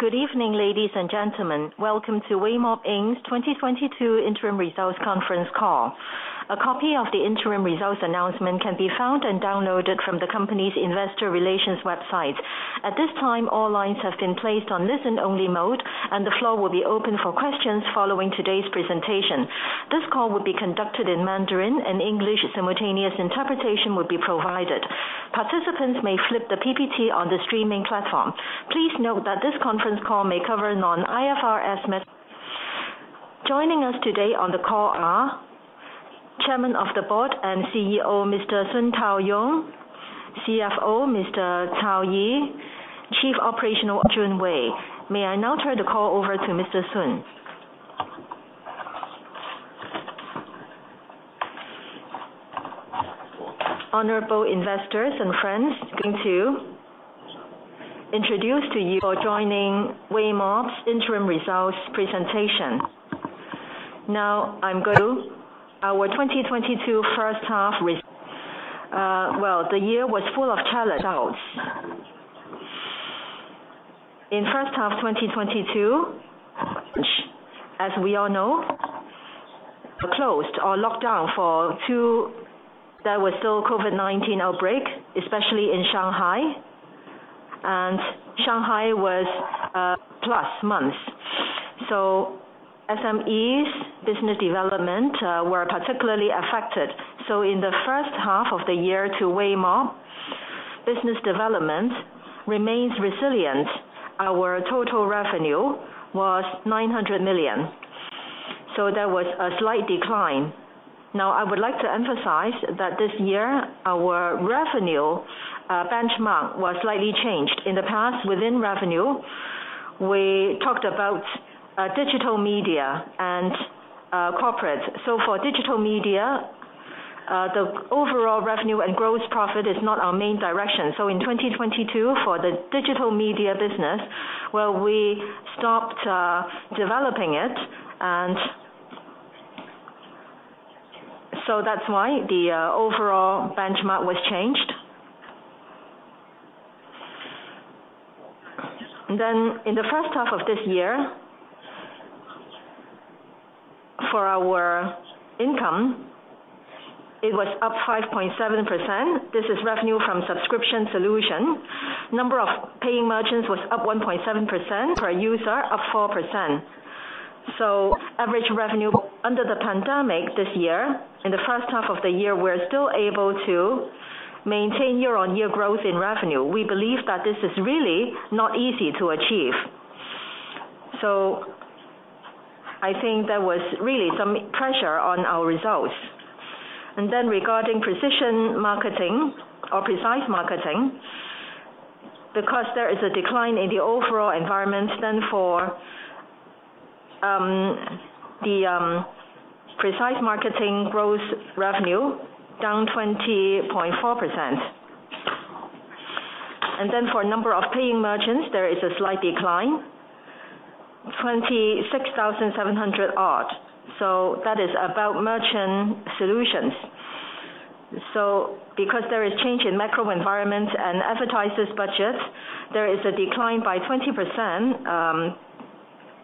Good evening, ladies and gentlemen. Welcome to Weimob Inc.'s 2022 interim results conference call. A copy of the interim results announcement can be found and downloaded from the company's investor relations website. At this time, all lines have been placed on listen-only mode, and the floor will be open for questions following today's presentation. This call will be conducted in Mandarin, and English simultaneous interpretation will be provided. Participants may flip the PPT on the streaming platform. Please note that this conference call may cover non-IFRS. Joining us today on the call are Chairman of the Board and CEO, Mr. Sun Taoyong; CFO, Mr. Cao Yi; Chief Operating Officer, Yin Shiming. May I now turn the call over to Mr. Sun. Honorable investors and friends, going to introduce to you for joining Weimob's interim results presentation. Now I'm going to our 2022 first half results. The year was full of challenges. In the first half of 2022, as we all know, closed or locked down for two plus months. There was still COVID-19 outbreak, especially in Shanghai. Shanghai was plus months. SMEs business development were particularly affected. In the first half of the year to Weimob, business development remains resilient. Our total revenue was 900 million. There was a slight decline. Now I would like to emphasize that this year, our revenue benchmark was slightly changed. In the past, within revenue, we talked about digital media and corporate. For digital media, the overall revenue and gross profit is not our main direction. In 2022, for the digital media business, well, we stopped developing it, and that's why the overall benchmark was changed. In the first half of this year, for our income, it was up 5.7%. This is revenue from subscription solution. Number of paying merchants was up 1.7%. Per user, up 4%. Average revenue under the pandemic this year, in the first half of the year, we're still able to maintain year-on-year growth in revenue. We believe that this is really not easy to achieve. I think there was really some pressure on our results. Regarding precision marketing or precise marketing, because there is a decline in the overall environment then for the precise marketing growth revenue down 20.4%. For number of paying merchants, there is a slight decline, 26,700. That is about merchant solutions. Because there is a change in macro environment and advertisers' budget, there is a decline by 20%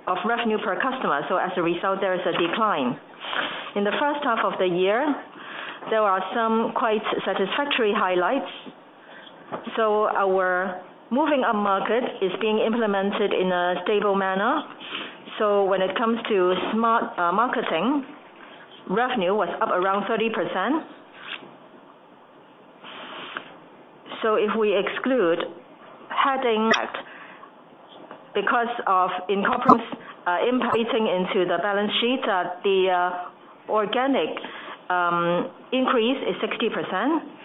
of revenue per customer. As a result, there is a decline. In the first half of the year, there are some quite satisfactory highlights. Our moving upmarket is being implemented in a stable manner. When it comes to smart marketing, revenue was up around 30%. If we exclude Haiding because of incorporation impacting into the balance sheet, the organic increase is 60%.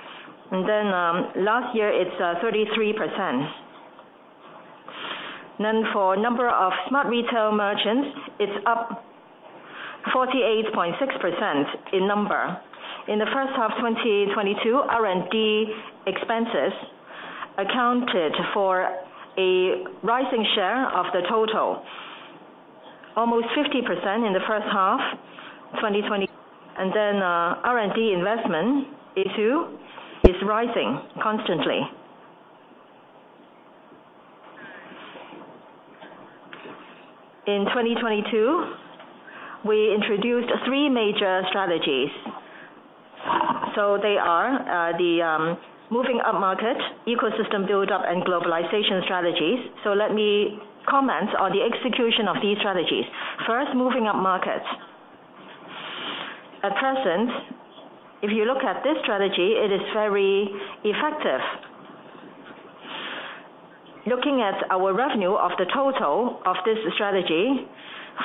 Last year, it's 33%. For number of Smart Retail merchants, it's up 48.6% in number. In the first half of 2022, R&D expenses accounted for a rising share of the total, almost 50% in the first half 2020. R&D investment issue is rising constantly. In 2022, we introduced three major strategies. They are the moving upmarket, ecosystem buildup, and globalization strategies. Let me comment on the execution of these strategies. First, moving upmarket. At present, if you look at this strategy, it is very effective. Looking at our revenue of the total of this strategy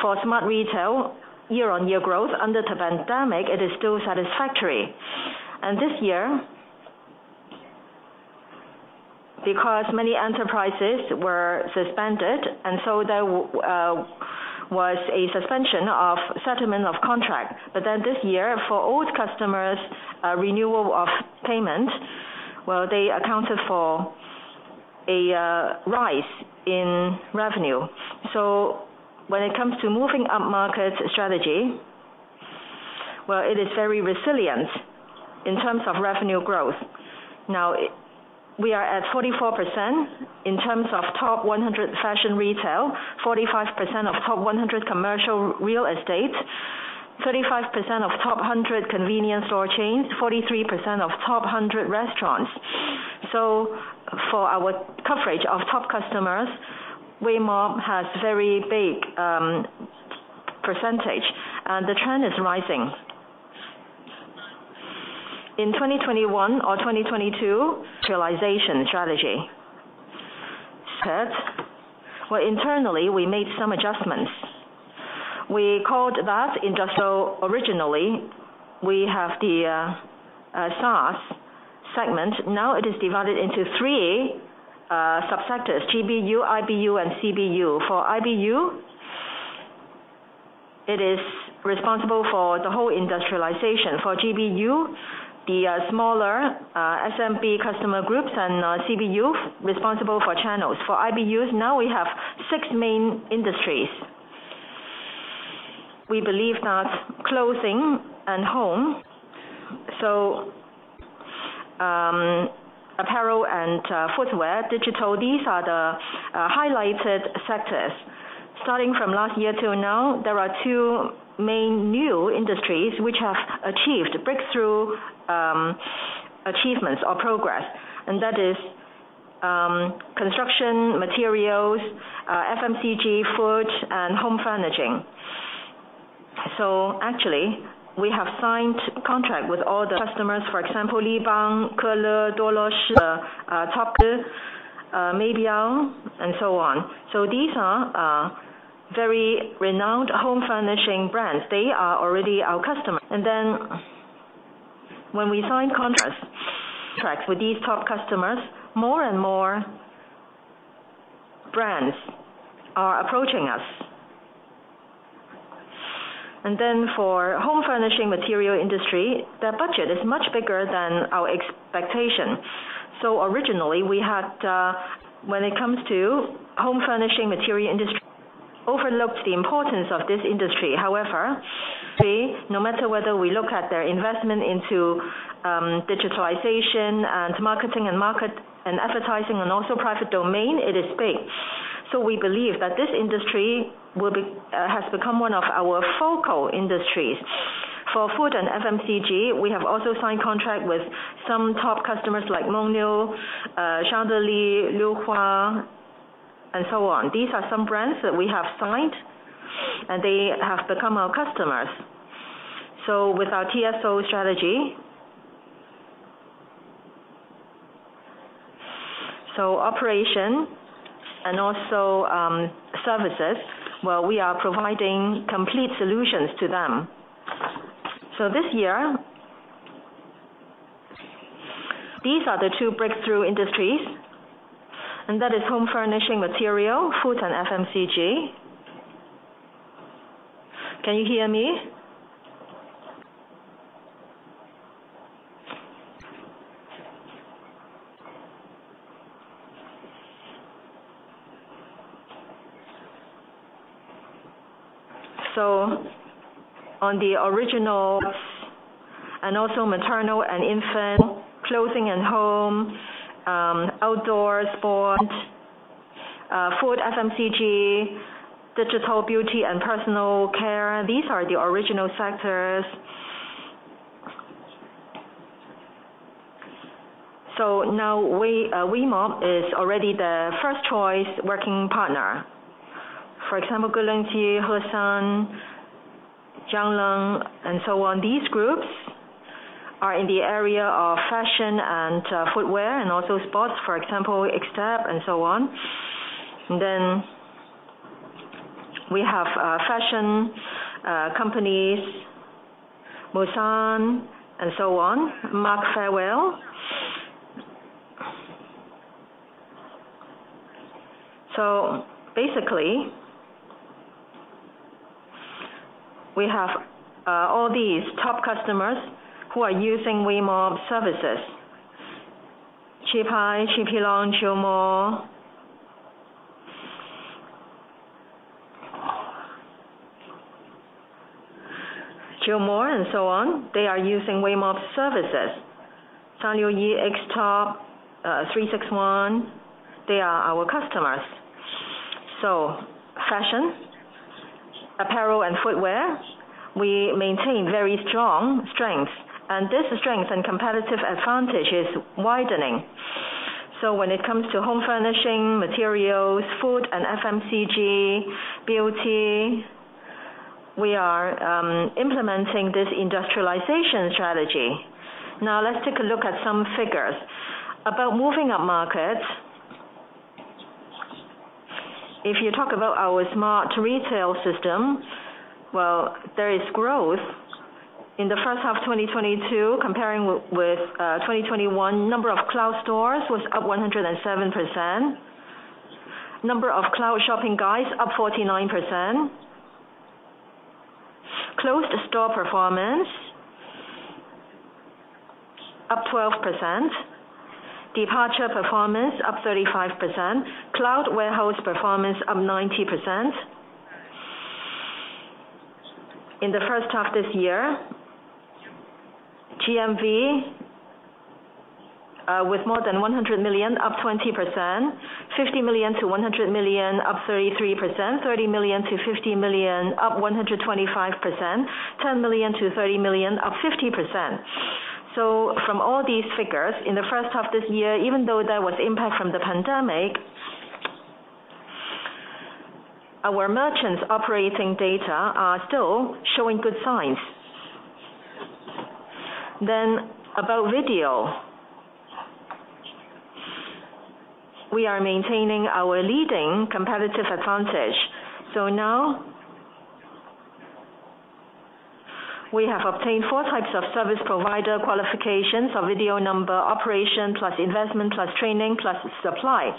for Smart Retail year-on-year growth under the pandemic, it is still satisfactory. This year, because many enterprises were suspended, there was a suspension of settlement of contract. This year, for old customers, renewal of payment, they accounted for a rise in revenue. When it comes to moving upmarket strategy, it is very resilient in terms of revenue growth. Now, we are at 44% in terms of top 100 fashion retail, 45% of top 100 commercial real estate, 35% of top 100 convenience store chains, 43% of top 100 restaurants. For our coverage of top customers, Weimob has very big percentage, and the trend is rising. In 2021 or 2022, realization strategy. Third, internally, we made some adjustments. We called that industrial. Originally, we have the SaaS segment. Now it is divided into three subsectors, GBU, IBU, and CBU. For IBU, it is responsible for the whole industrialization. For GBU, the smaller SMB customer groups and CBU responsible for channels. For IBUs, now we have six main industries. We believe that clothing and home. Apparel and footwear, digital, these are the highlighted sectors. Starting from last year till now, there are two main new industries which have achieved breakthrough achievements or progress, and that is construction materials, FMCG, food, and home furnishing. Actually, we have signed contract with all the customers, for example, Nippon, Kohler, Dulux, Toppla, American Standard, and so on. These are very renowned home furnishing brands. They are already our customer. When we sign contracts with these top customers, more and more brands are approaching us. For home furnishing material industry, their budget is much bigger than our expectation. Originally, we had when it comes to home furnishing material industry overlooked the importance of this industry. However, we no matter whether we look at their investment into digitalization and marketing and market and advertising and also private domain, it is big. We believe that this industry has become one of our focal industries. For food and FMCG, we have also signed contract with some top customers like Nongfu, Shanghaojia, Liuhua, and so on. These are some brands that we have signed, and they have become our customers. With our TSO strategy, operation and also services, well, we are providing complete solutions to them. This year, these are the two breakthrough industries, and that is home furnishing material, food, and FMCG. Can you hear me? On the original and also maternal and infant, clothing and home, outdoor sport, food, FMCG, digital beauty and personal care, these are the original sectors. Now Weimob is already the first choice working partner. For example, Goldlion, Heilan Home, Jianglang, and so on. These groups are in the area of fashion and footwear and also sports, for example, Xtep and so on. We have fashion companies, Mushan and so on, Mark Fairwhale. Basically, we have all these top customers who are using Weimob services. Qipai, Chipilon, Jumor, and so on, they are using Weimob services. 361 Degrees, Xtep, 361 Degrees, they are our customers. Fashion, apparel, and footwear, we maintain very strong strength, and this strength and competitive advantage is widening. When it comes to home furnishing, materials, food and FMCG, beauty, we are implementing this industrialization strategy. Now let's take a look at some figures. About moving upmarket, if you talk about our Smart Retail system, well, there is growth. In the first half of 2022, comparing with 2021, number of cloud stores was up 107%. Number of cloud shopping guides up 49%. Cloud store performance up 12%. Digital performance up 35%. Cloud warehouse performance up 90%. In the first half this year, GMV with more than 100 million, up 20%. 50 million-100 million, up 33%. 30 million-50 million, up 125%. 10 million-30 million, up 50%. From all these figures, in the first half this year, even though there was impact from the pandemic, our merchants' operating data are still showing good signs. About video. We are maintaining our leading competitive advantage. Now, we have obtained four types of service provider qualifications of video number operation plus investment plus training plus supply.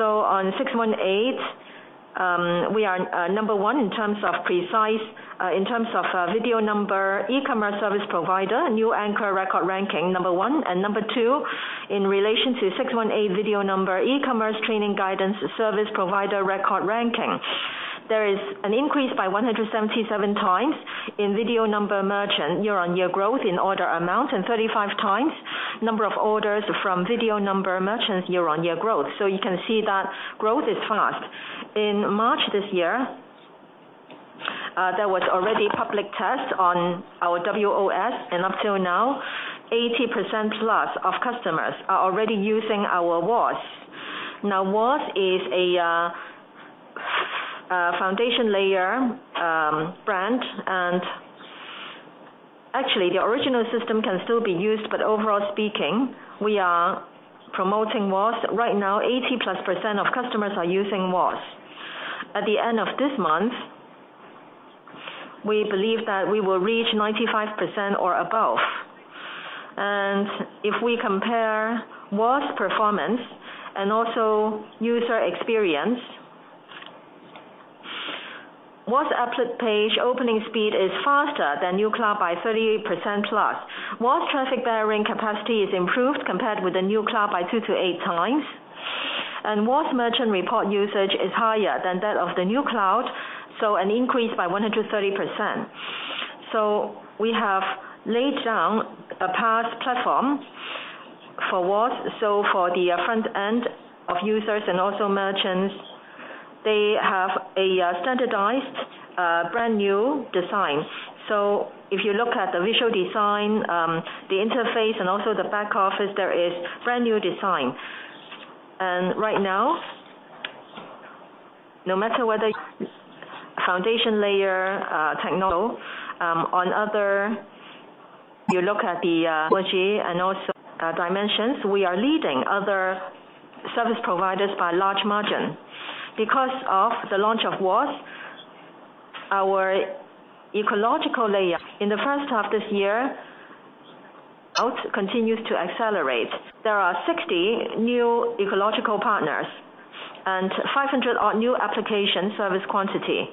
On 618, we are number one in terms of precise, in terms of, video number e-commerce service provider, new anchor record ranking number one, and number two in relation to 618 video number e-commerce training guidance service provider record ranking. There is an increase by 177 times in video number merchant year-on-year growth in order amount, and 35 times number of orders from video number merchants year-on-year growth. You can see that growth is fast. In March this year, there was already public test on our WOS, and up till now, 80%+ of customers are already using our WOS. Now, WOS is a foundation layer brand. Actually, the original system can still be used, but overall speaking, we are promoting WOS. Right now, 80%+ of customers are using WOS. At the end of this month, we believe that we will reach 95% or above. If we compare WOS performance and also user experience, WOS app page opening speed is faster than New Cloud by 38%+. WOS traffic bearing capacity is improved compared with the New Cloud by two to eight times. WOS merchant report usage is higher than that of the New Cloud, so an increase by 130%. We have laid down a PaaS platform for WOS. For the front end of users and also merchants, they have a standardized brand-new design. If you look at the visual design, the interface, and also the back office, there is brand-new design. Right now, no matter whether foundation layer, technology and also dimensions, we are leading other service providers by large margin. Because of the launch of WOS, our ecological layer in the first half this year continues to accelerate. There are 60 new ecological partners and 500-odd new application service quantity.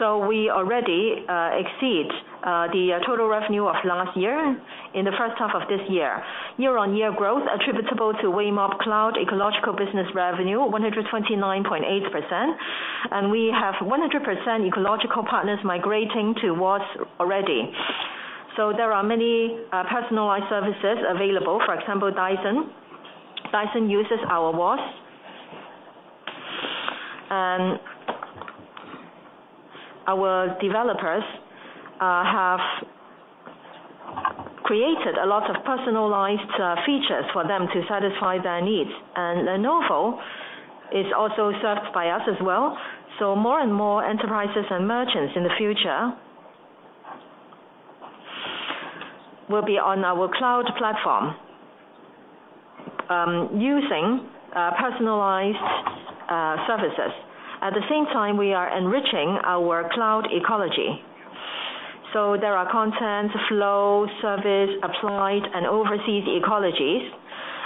We already exceed the total revenue of last year in the first half of this year. Year-on-year growth attributable to Weimob Cloud ecological business revenue, 129.8%, and we have 100% ecological partners migrating to WOS already. There are many personalized services available. For example, Dyson. Dyson uses our WOS. Our developers have created a lot of personalized features for them to satisfy their needs. Lenovo is also served by us as well. More and more enterprises and merchants in the future will be on our cloud platform, using personalized services. At the same time, we are enriching our cloud ecology. There are content, flow, service, application and overseas ecologies,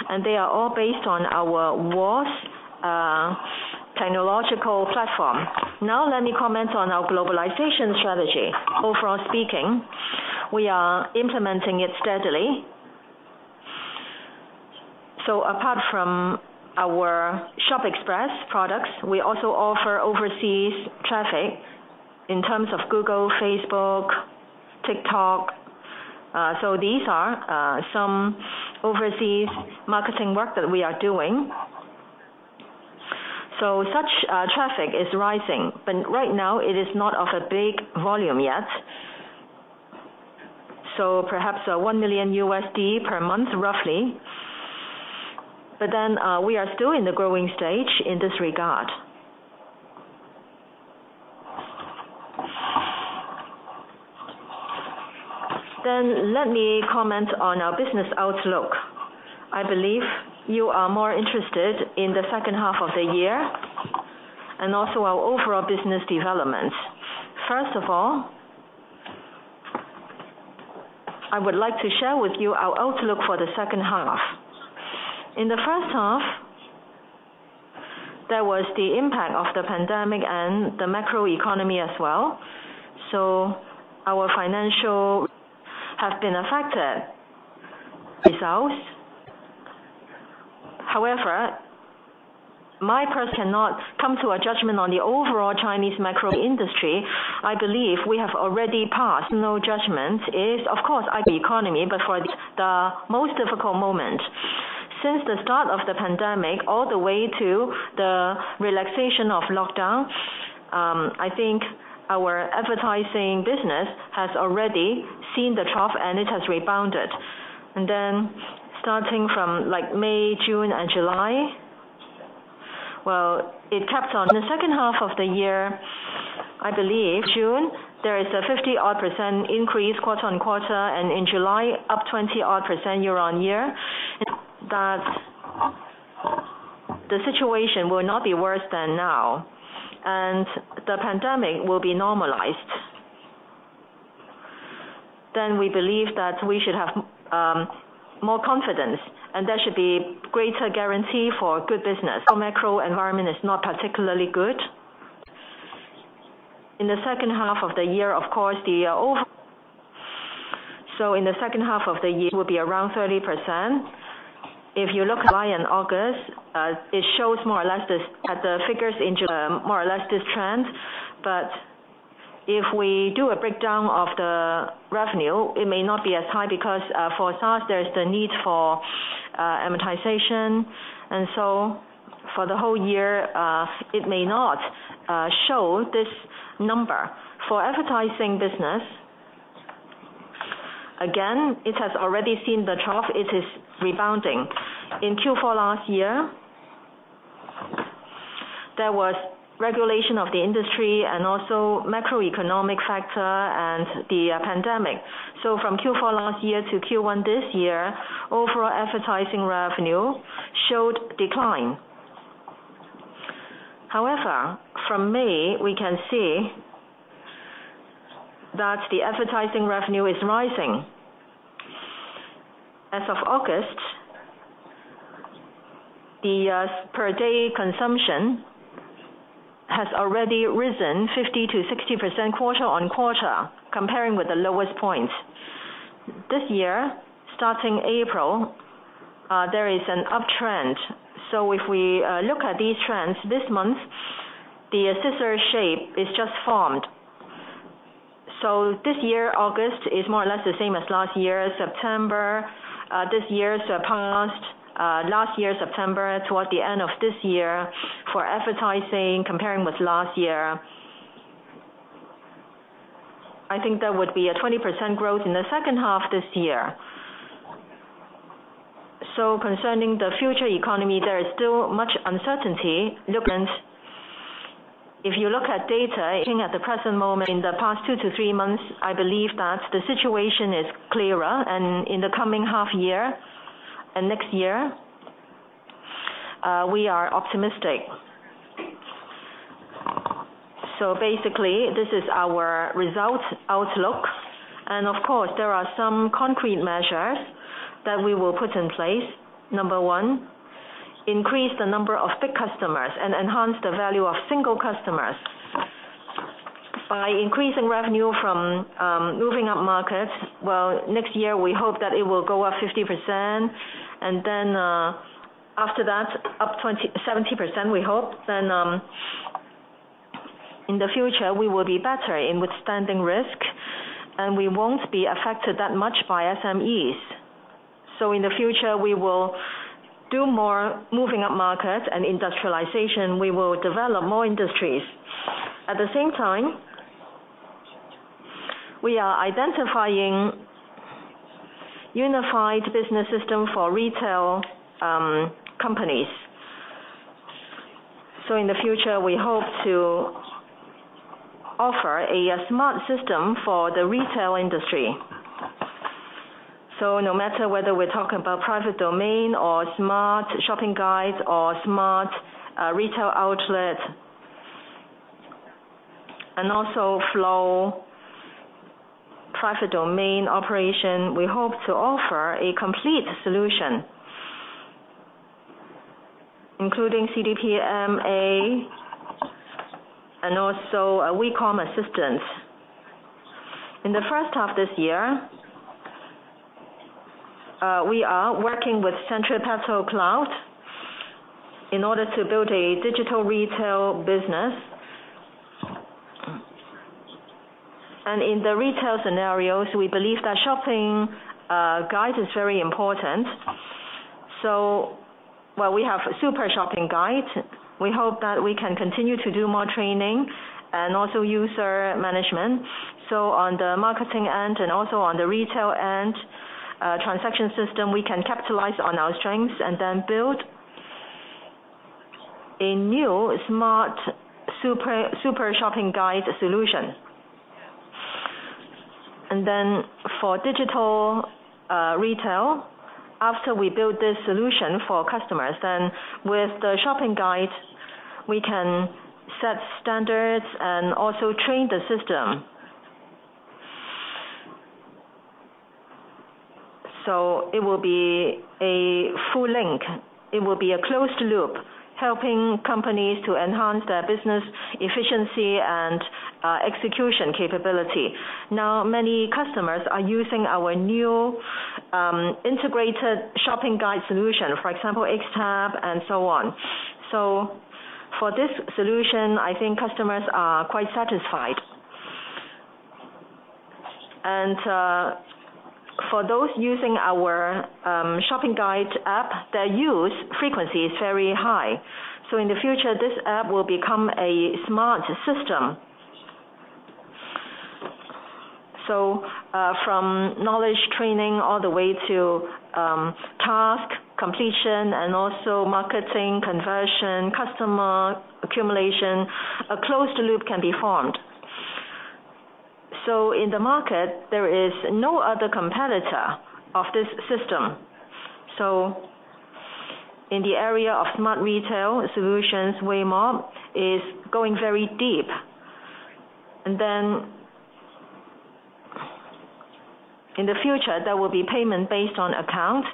and they are all based on our WOS technological platform. Now let me comment on our globalization strategy. Overall speaking, we are implementing it steadily. Apart from our ShopExpress products, we also offer overseas traffic in terms of Google, Facebook, TikTok. These are some overseas marketing work that we are doing. Such traffic is rising, but right now it is not of a big volume yet. Perhaps $1 million per month, roughly. We are still in the growing stage in this regard. Let me comment on our business outlook. I believe you are more interested in the second half of the year, and also our overall business development. First of all, I would like to share with you our outlook for the second half. There was the impact of the pandemic and the macroeconomy as well. Our financial results have been affected. However, my peers cannot come to a judgment on the overall Chinese macroeconomy. I believe we have already passed the most difficult moment. No judgment is, of course, on the economy. Since the start of the pandemic all the way to the relaxation of lockdown, I think our advertising business has already seen the trough, and it has rebounded. Starting from like May, June and July, well, it kept on the second half of the year, I believe June, there is a 50-odd% increase quarter-on-quarter and in July up 20-odd% year-on-year. That the situation will not be worse than now and the pandemic will be normalized. We believe that we should have more confidence and there should be greater guarantee for good business. Our macro environment is not particularly good. In the second half of the year, of course, so in the second half of the year will be around 30%. If you look at July and August, it shows more or less the same at the figures in July, more or less this trend. If we do a breakdown of the revenue, it may not be as high because for us there is the need for amortization. For the whole year, it may not show this number. For advertising business, again, it has already seen the trough. It is rebounding. In Q4 last year, there was regulation of the industry and also macroeconomic factor and the pandemic. From Q4 last year to Q1 this year, overall advertising revenue showed decline. However, from May we can see that the advertising revenue is rising. As of August, the per day consumption has already risen 50%-60% quarter-on-quarter, comparing with the lowest point. This year, starting April, there is an uptrend. If we look at these trends this month, the scissor shape is just formed. This year, August is more or less the same as last year September. This year surpassed last year September toward the end of this year for advertising comparing with last year. I think there would be a 20% growth in the second half this year. Concerning the future economy, there is still much uncertainty. If you look at data at the present moment in the past two to three months, I believe that the situation is clearer. In the coming half year and next year, we are optimistic. Basically, this is our result outlook. Of course, there are some concrete measures that we will put in place. Number one, increase the number of big customers and enhance the value of single customers by increasing revenue from moving upmarket. Well, next year, we hope that it will go up 50% and then, after that, up to 70% we hope. Then, in the future we will be better in withstanding risk and we won't be affected that much by SMEs. In the future, we will do more moving upmarket and industrialization. We will develop more industries. At the same time, we are identifying unified business system for retail companies. In the future, we hope to offer a smart system for the retail industry. No matter whether we're talking about private domain or smart shopping guides or Smart Retail outlet and also full private domain operation, we hope to offer a complete solution. Including CDP+MA and also a WeCom Assistant. In the first half this year, we are working with Centripetal Cloud in order to build a digital retail business. In the retail scenarios, we believe that shopping guide is very important. Well, we have super shopping guide. We hope that we can continue to do more training and also user management. On the marketing end and also on the retail end, transaction system, we can capitalize on our strengths and then build a new smart super shopping guide solution. For digital retail, after we build this solution for customers, then with the shopping guide, we can set standards and also train the system. It will be a full link. It will be a closed loop, helping companies to enhance their business efficiency and execution capability. Now, many customers are using our new integrated shopping guide solution, for example, Xtep and so on. For this solution, I think customers are quite satisfied. For those using our shopping guide app, their use frequency is very high. In the future, this app will become a smart system. From knowledge training all the way to task completion and also marketing conversion, customer accumulation, a closed loop can be formed. In the market, there is no other competitor of this system. In the area of Smart Retail solutions, Weimob is going very deep. In the future, there will be payment based on account,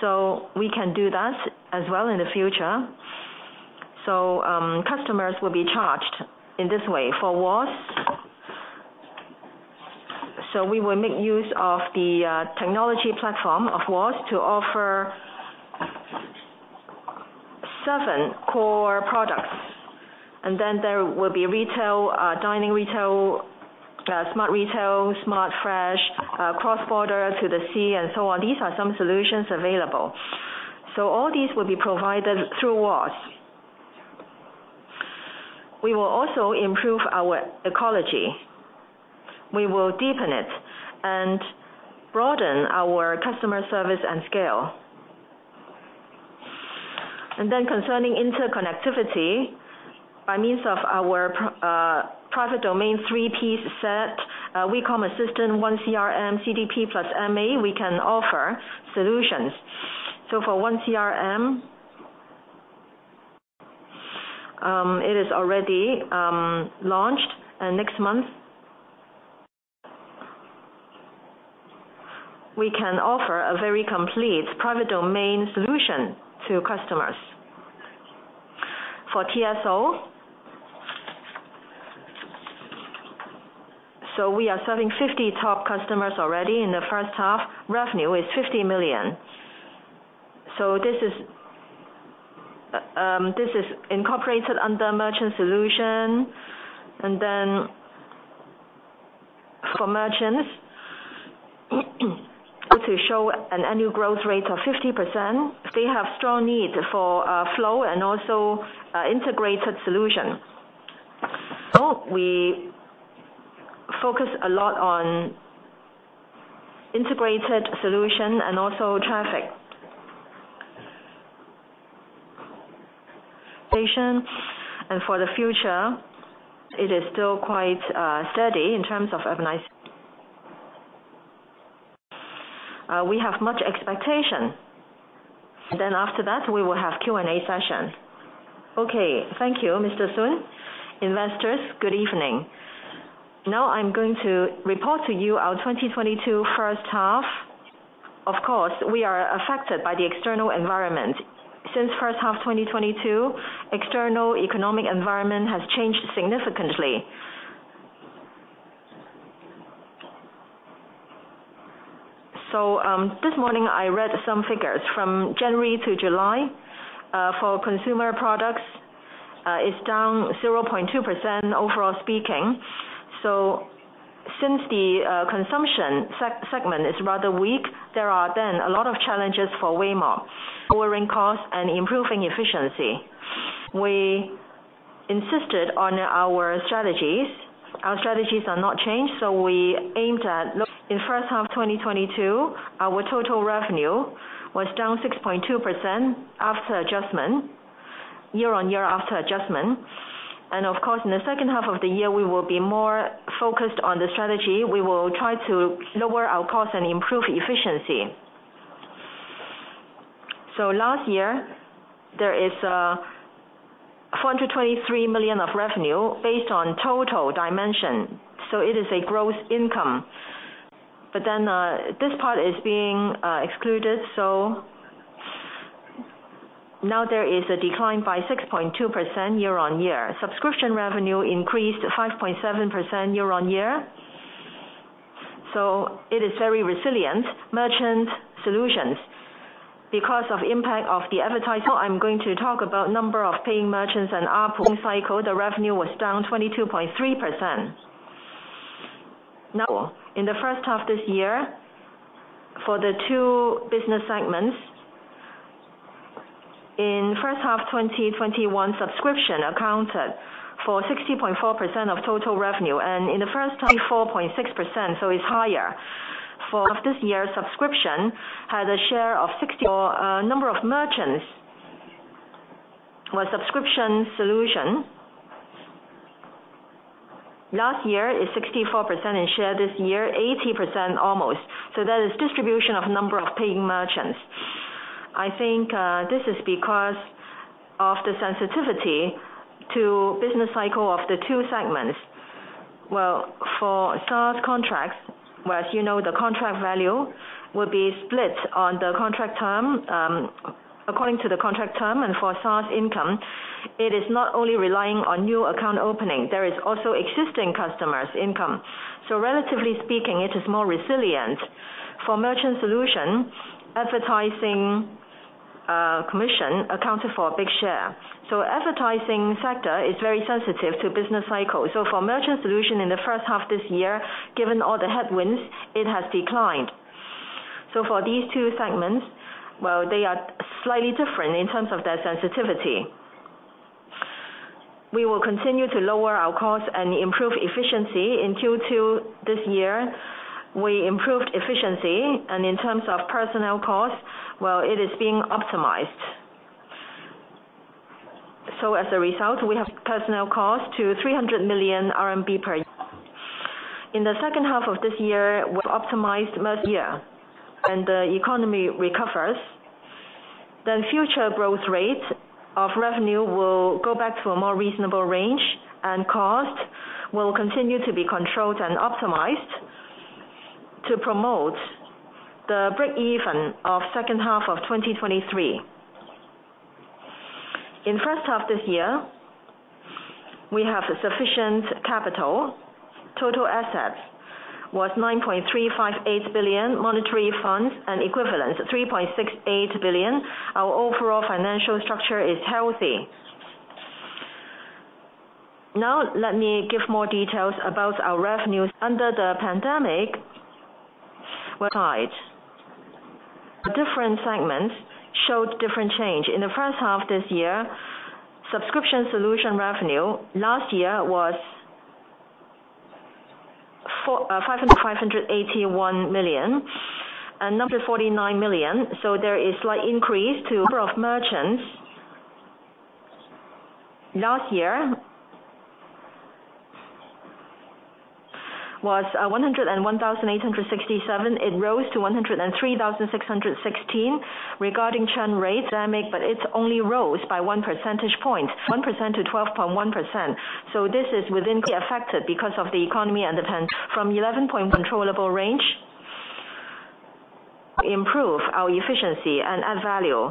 so we can do that as well in the future. Customers will be charged in this way for WOS. We will make use of the technology platform of WOS to offer seven core products. There will be retail, dining retail, Smart Retail, smart fresh, cross-border to the sea, and so on. These are some solutions available. All these will be provided through SaaS. We will also improve our ecology. We will deepen it and broaden our customer service and scale. Concerning interconnectivity, by means of our private domain three-piece set, WeCom Assistant, OneCRM, CDP+MA, we can offer solutions. For OneCRM, it is already launched. Next month, we can offer a very complete private domain solution to customers. For TSO, we are serving 50 top customers already in the first half. Revenue is 50 million. This is incorporated under merchant solution. For merchants, to show an annual growth rate of 50%, they have strong need for flow and also integrated solution. We focus a lot on integrated solution and also traffic. Patience. For the future, it is still quite steady in terms of organizing. We have much expectation. After that, we will have Q&A session. Okay. Thank you, Mr. Sun. Investors, good evening. Now I'm going to report to you our 2022 first half. Of course, we are affected by the external environment. Since first half 2022, external economic environment has changed significantly. This morning, I read some figures. From January to July, for consumer products, is down 0.2% overall speaking. Since the consumption segment is rather weak, there are then a lot of challenges for Weimob. Lowering cost and improving efficiency. We insisted on our strategies. Our strategies are not changed, so we aimed at. In first half 2022, our total revenue was down 6.2% after adjustment, year-on-year after adjustment. Of course, in the second half of the year, we will be more focused on the strategy. We will try to lower our cost and improve efficiency. Last year, there is 423 million of revenue based on total dimension, so it is a growth income. This part is being excluded, so now there is a decline by 6.2% year on year. Subscription revenue increased 5.7% year on year, so it is very resilient merchant solutions. Because of impact of the advertising, I'm going to talk about number of paying merchants and up cycle. The revenue was down 22.3%. Now, in the first half this year, for the two business segments, in first half 2021, subscription accounted for 60.4% of total revenue. In the first 24.6%, so it's higher. For this year, subscription had a share of 60% of a number of merchants with subscription solution. Last year is 64% in share. This year, 80% almost. That is distribution of number of paying merchants. I think, this is because of the sensitivity to business cycle of the two segments. Well, for SaaS contracts, whereas you know the contract value will be split on the contract term, according to the contract term and for SaaS income, it is not only relying on new account opening. There is also existing customers income. So relatively speaking, it is more resilient. For merchant solution, advertising, commission accounted for a big share. So advertising sector is very sensitive to business cycles. For merchant solution in the first half this year, given all the headwinds, it has declined. For these two segments, well, they are slightly different in terms of their sensitivity. We will continue to lower our costs and improve efficiency. In Q2 this year, we improved efficiency and in terms of personnel costs, well, it is being optimized. As a result, we have personnel cost to 300 million RMB per year. In the second half of this year, we optimized and the economy recovers, then future growth rate of revenue will go back to a more reasonable range, and cost will continue to be controlled and optimized to promote the breakeven of second half of 2023. In first half this year, we have sufficient capital. Total assets was 9.358 billion monetary funds, and equivalents of 3.68 billion. Our overall financial structure is healthy. Now, let me give more details about our revenues. Under the pandemic, different segments showed different change. In the first half this year, subscription solution revenue last year was 581 million and 49 million. There is slight increase to merchants. Last year was 101,867. It rose to 103,616. Regarding churn rates, it only rose by 1 percentage point, 11%-12.1%. This is within acceptable because of the economy and the from 11 point controllable range. Improve our efficiency and add value.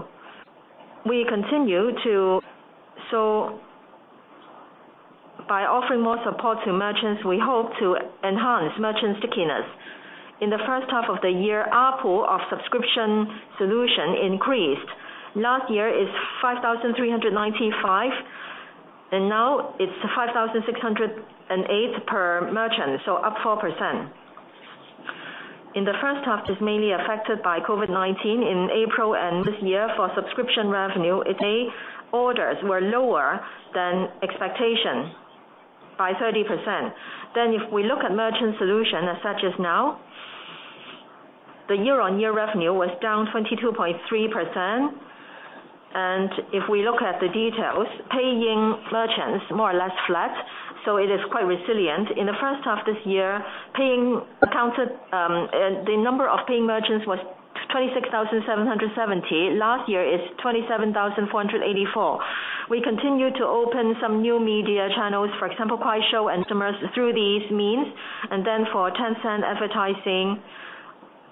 We continue to by offering more support to merchants, we hope to enhance merchant stickiness. In the first half of the year, ARPU of subscription solution increased. Last year, it's 5,395, and now it's 5,608 per merchant, so up 4%. In the first half, it's mainly affected by COVID-19 in April and this year for subscription revenue, orders were lower than expectation by 30%. If we look at merchant solution as such as now, the year-on-year revenue was down 22.3%. If we look at the details, paying merchants more or less flat, so it is quite resilient. In the first half this year, the number of paying merchants was 26,770. Last year, it's 27,484. We continue to open some new media channels, for example, Kuaishou and through these means. For Tencent advertising,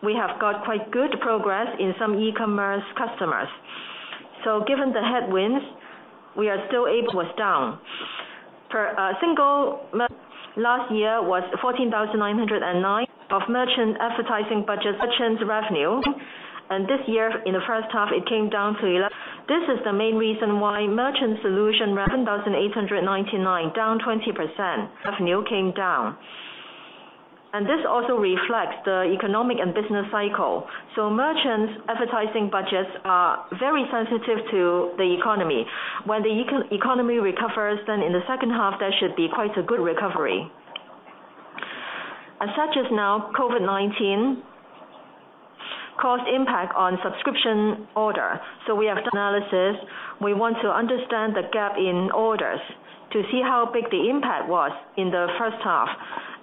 we have got quite good progress in some e-commerce customers. Given the headwinds, revenue was down. ARPU last year was 14,909 of merchant advertising budget revenue. This year in the first half, it came down to 10,899, down 20%. This is the main reason why merchant solution revenue came down. Revenue came down. This also reflects the economic and business cycle. Merchants' advertising budgets are very sensitive to the economy. When the economy recovers, then in the second half, there should be quite a good recovery. As of now, COVID-19 caused impact on subscription orders. We have done analysis. We want to understand the gap in orders to see how big the impact was in the first half.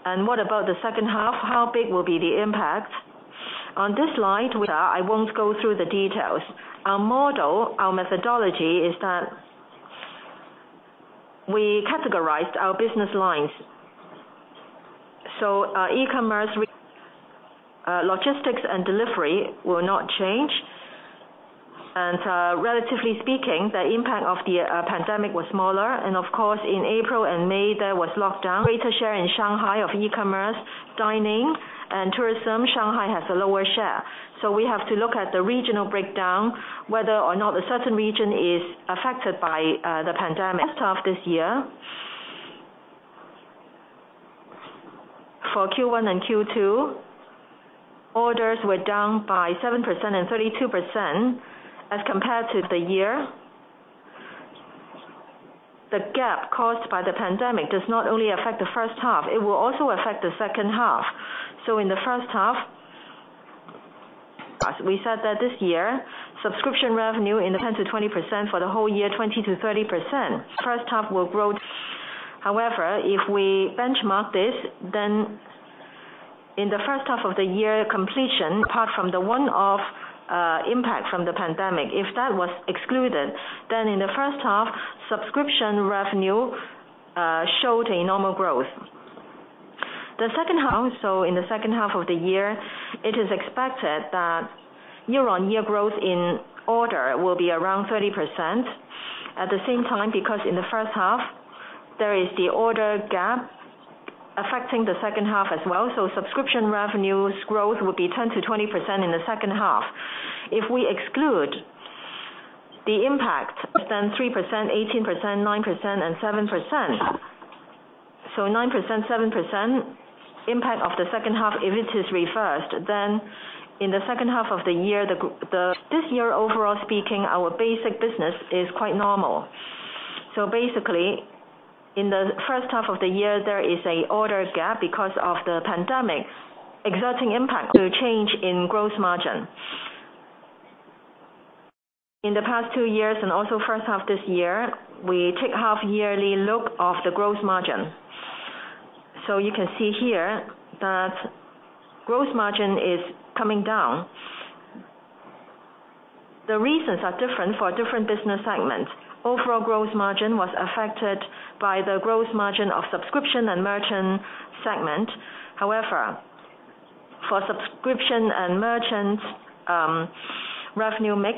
What about the second half? How big will be the impact? On this slide, which I won't go through the details, our model, our methodology is that we categorized our business lines. E-commerce, logistics and delivery will not change. Relatively speaking, the impact of the pandemic was smaller. Of course, in April and May, there was lockdown. Greater share in Shanghai of e-commerce, dining and tourism. Shanghai has a lower share. We have to look at the regional breakdown, whether or not a certain region is affected by the pandemic. First half this year, for Q1 and Q2, orders were down by 7% and 32% as compared to the year. The gap caused by the pandemic does not only affect the first half, it will also affect the second half. In the first half, we said that this year, subscription revenue in the 10%-20% for the whole year, 20%-30%. First half will grow. However, if we benchmark this, then in the first half of the year completion, apart from the one-off impact from the pandemic. If that was excluded, then in the first half, subscription revenue showed a normal growth. The second half, in the second half of the year, it is expected that year-on-year growth in order will be around 30%. At the same time, because in the first half, there is the order gap affecting the second half as well. Subscription revenues growth will be 10%-20% in the second half. If we exclude the impact within 3%, 18%, 9%, and 7%. 9%, 7% impact of the second half. If it is reversed, in the second half of the year. This year, overall speaking, our basic business is quite normal. Basically, in the first half of the year, there is an order gap because of the pandemic exerting impact through change in gross margin. In the past two years and also first half this year, we take half yearly look at the gross margin. You can see here that gross margin is coming down. The reasons are different for different business segments. Overall gross margin was affected by the gross margin of subscription and merchant segment. However, for subscription and merchants, revenue mix.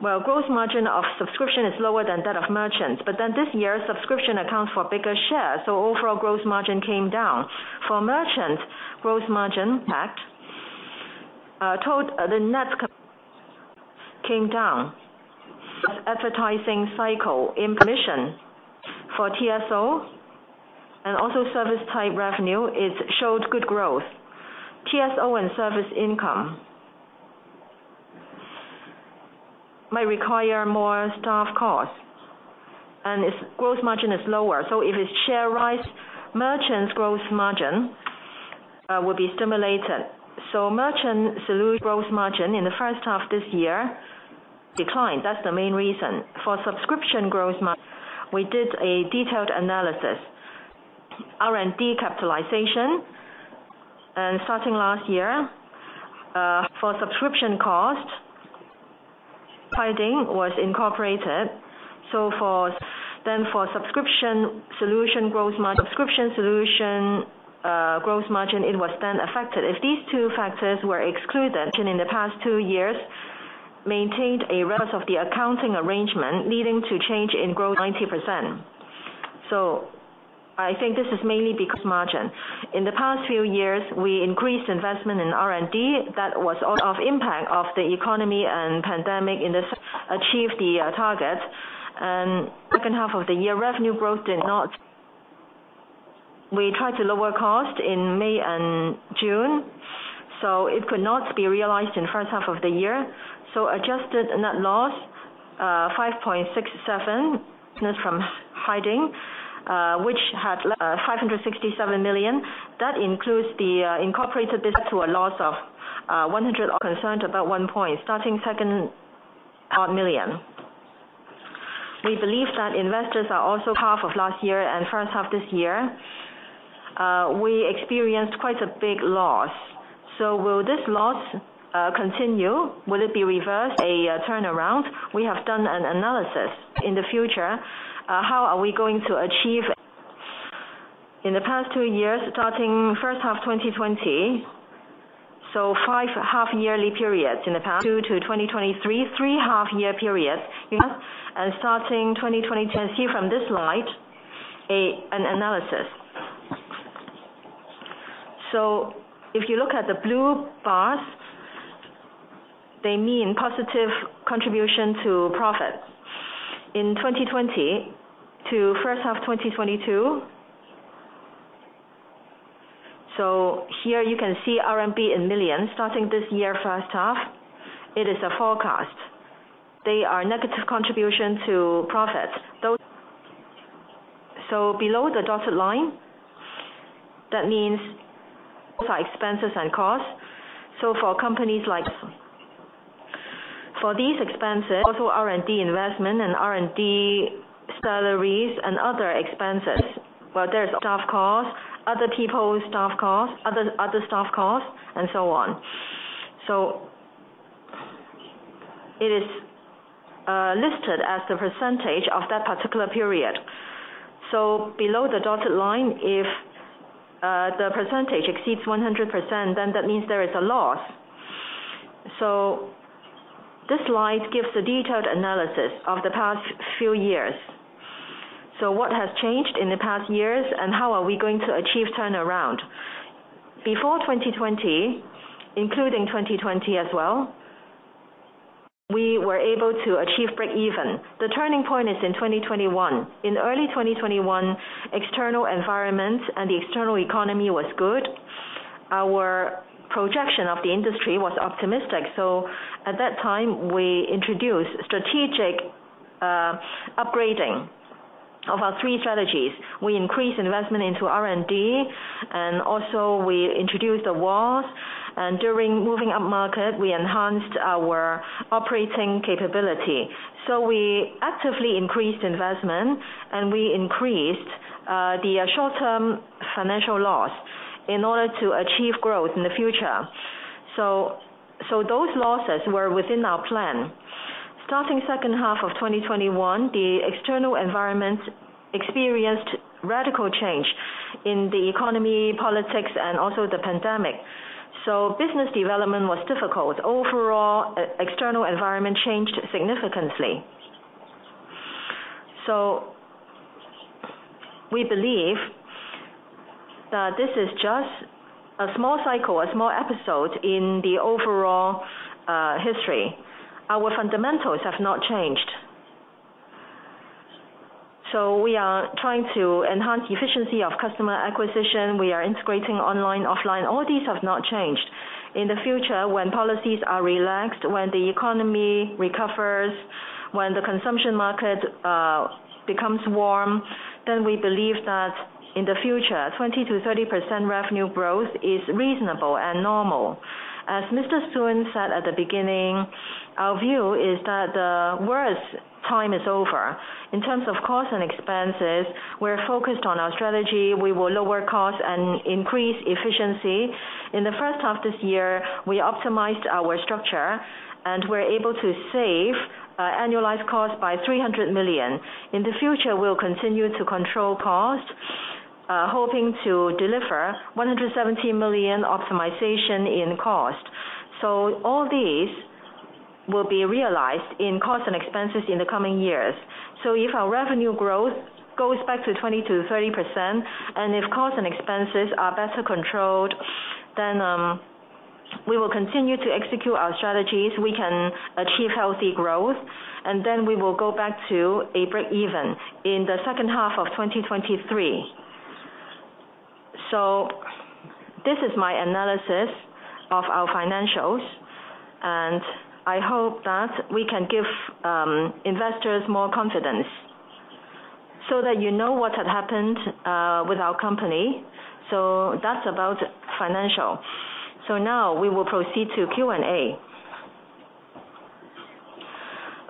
Well, gross margin of subscription is lower than that of merchants. This year, subscription accounts for a bigger share, so overall gross margin came down. For merchants, gross margin impact, the net came down. Advertising client commission for TSO and also service type revenue, it showed good growth. TSO and service income might require more staff costs, and its gross margin is lower. If its share rise, merchant's gross margin will be stimulated. Merchant solution gross margin in the first half this year declined. That's the main reason. For subscription, we did a detailed analysis. R&D capitalization, and starting last year, for subscription cost, was incorporated. For subscription solution, gross margin, it was then affected. If these two factors were excluded, in the past two years, maintained because of the accounting arrangement leading to change in gross 90%. I think this is mainly because margin. In the past few years, we increased investment in R&D that was offset by the impact of the economy and pandemic to achieve the target. Second half of the year, revenue growth did not. We tried to lower cost in May and June, so it could not be realized in the first half of the year. Adjusted net loss 567 million from Haiding, which had 567 million. That includes the incorporated business to a loss of 101 million starting second half million. We believe that investors are also concerned about half of last year and first half this year, we experienced quite a big loss. Will this loss continue? Will it be reversed, a turnaround? We have done an analysis. In the future, how are we going to achieve. In the past two years, starting first half of 2020, so five half-yearly periods in the past. 2020 to 2023, three half-year periods. Yes. Starting 2020. You can see from this slide an analysis. So if you look at the blue bars, they mean positive contribution to profit. In 2020 to first half, 2022. So here you can see RMB in millions, starting this year, first half, it is a forecast. They are negative contribution to profits. Those. So below the dotted line, that means those are expenses and costs. So for companies like. For these expenses, also R&D investment and R&D salaries and other expenses. Well, there's staff costs, other people's staff costs, other staff costs, and so on. So it is listed as the percentage of that particular period. Below the dotted line, if the percentage exceeds 100%, then that means there is a loss. This slide gives a detailed analysis of the past few years. What has changed in the past years, and how are we going to achieve turnaround? Before 2020, including 2020 as well, we were able to achieve break even. The turning point is in 2021. In early 2021, external environment and the external economy was good. Our projection of the industry was optimistic. At that time, we introduced strategic upgrading of our three strategies. We increased investment into R&D, and also we introduced the WOS and during moving up market, we enhanced our operating capability. We actively increased investment and we increased the short-term financial loss in order to achieve growth in the future. Those losses were within our plan. Starting second half of 2021, the external environment experienced radical change in the economy, politics, and also the pandemic. Business development was difficult. Overall, external environment changed significantly. We believe that this is just a small cycle, a small episode in the overall history. Our fundamentals have not changed. We are trying to enhance efficiency of customer acquisition. We are integrating online, offline. All these have not changed. In the future, when policies are relaxed, when the economy recovers, when the consumption market becomes warm, then we believe that in the future, 20%-30% revenue growth is reasonable and normal. As Mr. Sun said at the beginning, our view is that the worst time is over. In terms of cost and expenses, we're focused on our strategy. We will lower costs and increase efficiency. In the first half this year, we optimized our structure, and we're able to save annualized cost by 300 million. In the future, we'll continue to control cost, hoping to deliver 170 million optimization in cost. All these will be realized in cost and expenses in the coming years. If our revenue growth goes back to 20%-30%, and if costs and expenses are better controlled, then we will continue to execute our strategies. We can achieve healthy growth, and then we will go back to a break-even in the second half of 2023. This is my analysis of our financials, and I hope that we can give investors more confidence so that you know what had happened with our company. That's about financial. Now we will proceed to Q&A.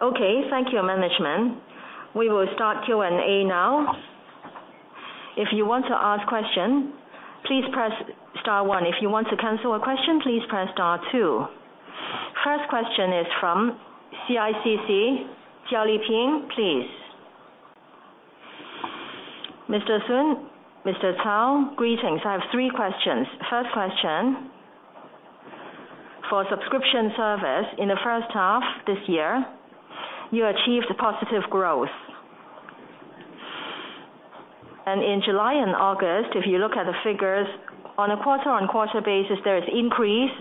Okay, thank you, management. We will start Q&A now. If you want to ask question, please press star one. If you want to cancel a question, please press star two. First question is from CICC, Jia Liping, please. Mr. Sun, Mr. Cao, greetings. I have three questions. First question, for subscription service in the first half this year, you achieved positive growth. In July and August, if you look at the figures on a quarter-over-quarter basis, there is increase,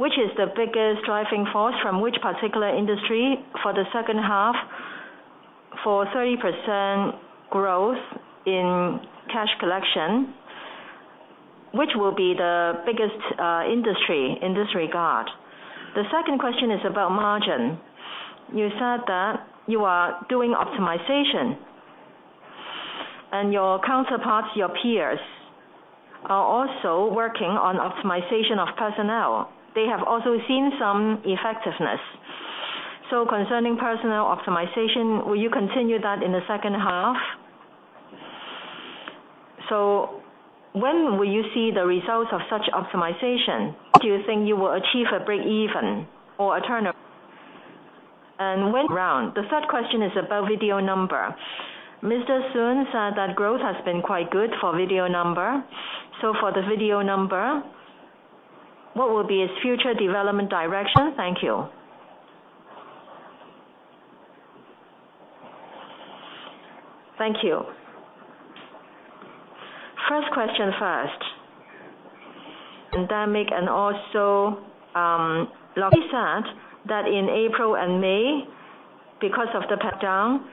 which is the biggest driving force from which particular industry for the second half for 30% growth in cash collection, which will be the biggest industry in this regard. The second question is about margin. You said that you are doing optimization and your counterparts, your peers, are also working on optimization of personnel. They have also seen some effectiveness. Concerning personnel optimization, will you continue that in the second half? When will you see the results of such optimization? Do you think you will achieve a break-even or a turnaround, and when? The third question is about video number. Mr. Sun said that growth has been quite good for video number. For the video number, what will be its future development direction? Thank you. Thank you. First question first. Pandemic and also, like we said that in April and May, because of the lockdown,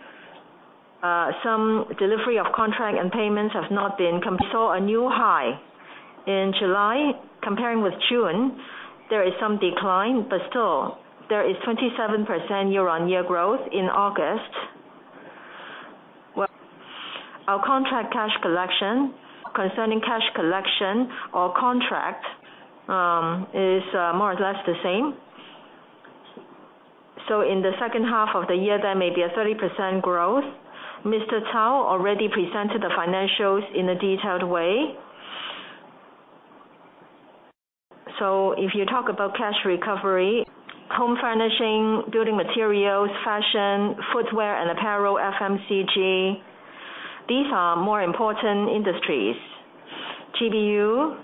some delivery of contract and payments have not been. Saw a new high in July. Compared with June, there is some decline, but still there is 27% year-on-year growth in August. Our contract cash collection, concerning cash collection or contract, is more or less the same. In the second half of the year, there may be a 30% growth. Mr. Cao already presented the financials in a detailed way. If you talk about cash recovery, home furnishing, building materials, fashion, footwear and apparel, FMCG, these are more important industries. GBU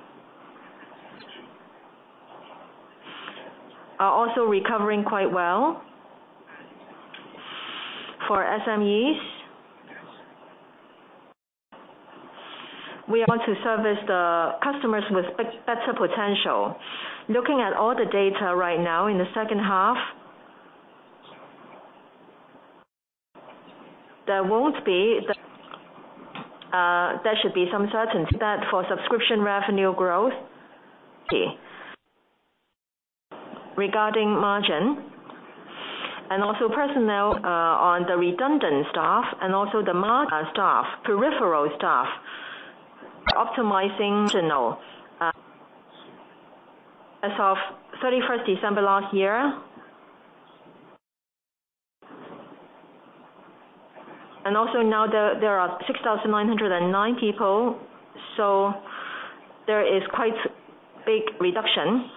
are also recovering quite well. For SMEs, we want to service the customers with better potential. Looking at all the data right now in the second half, there should be some certainty that for subscription revenue growth. Regarding margin and also personnel, on the redundant staff and also the margin staff, peripheral staff, optimizing as of 31st December last year. Now there are 6,909 people, so there is quite big reduction,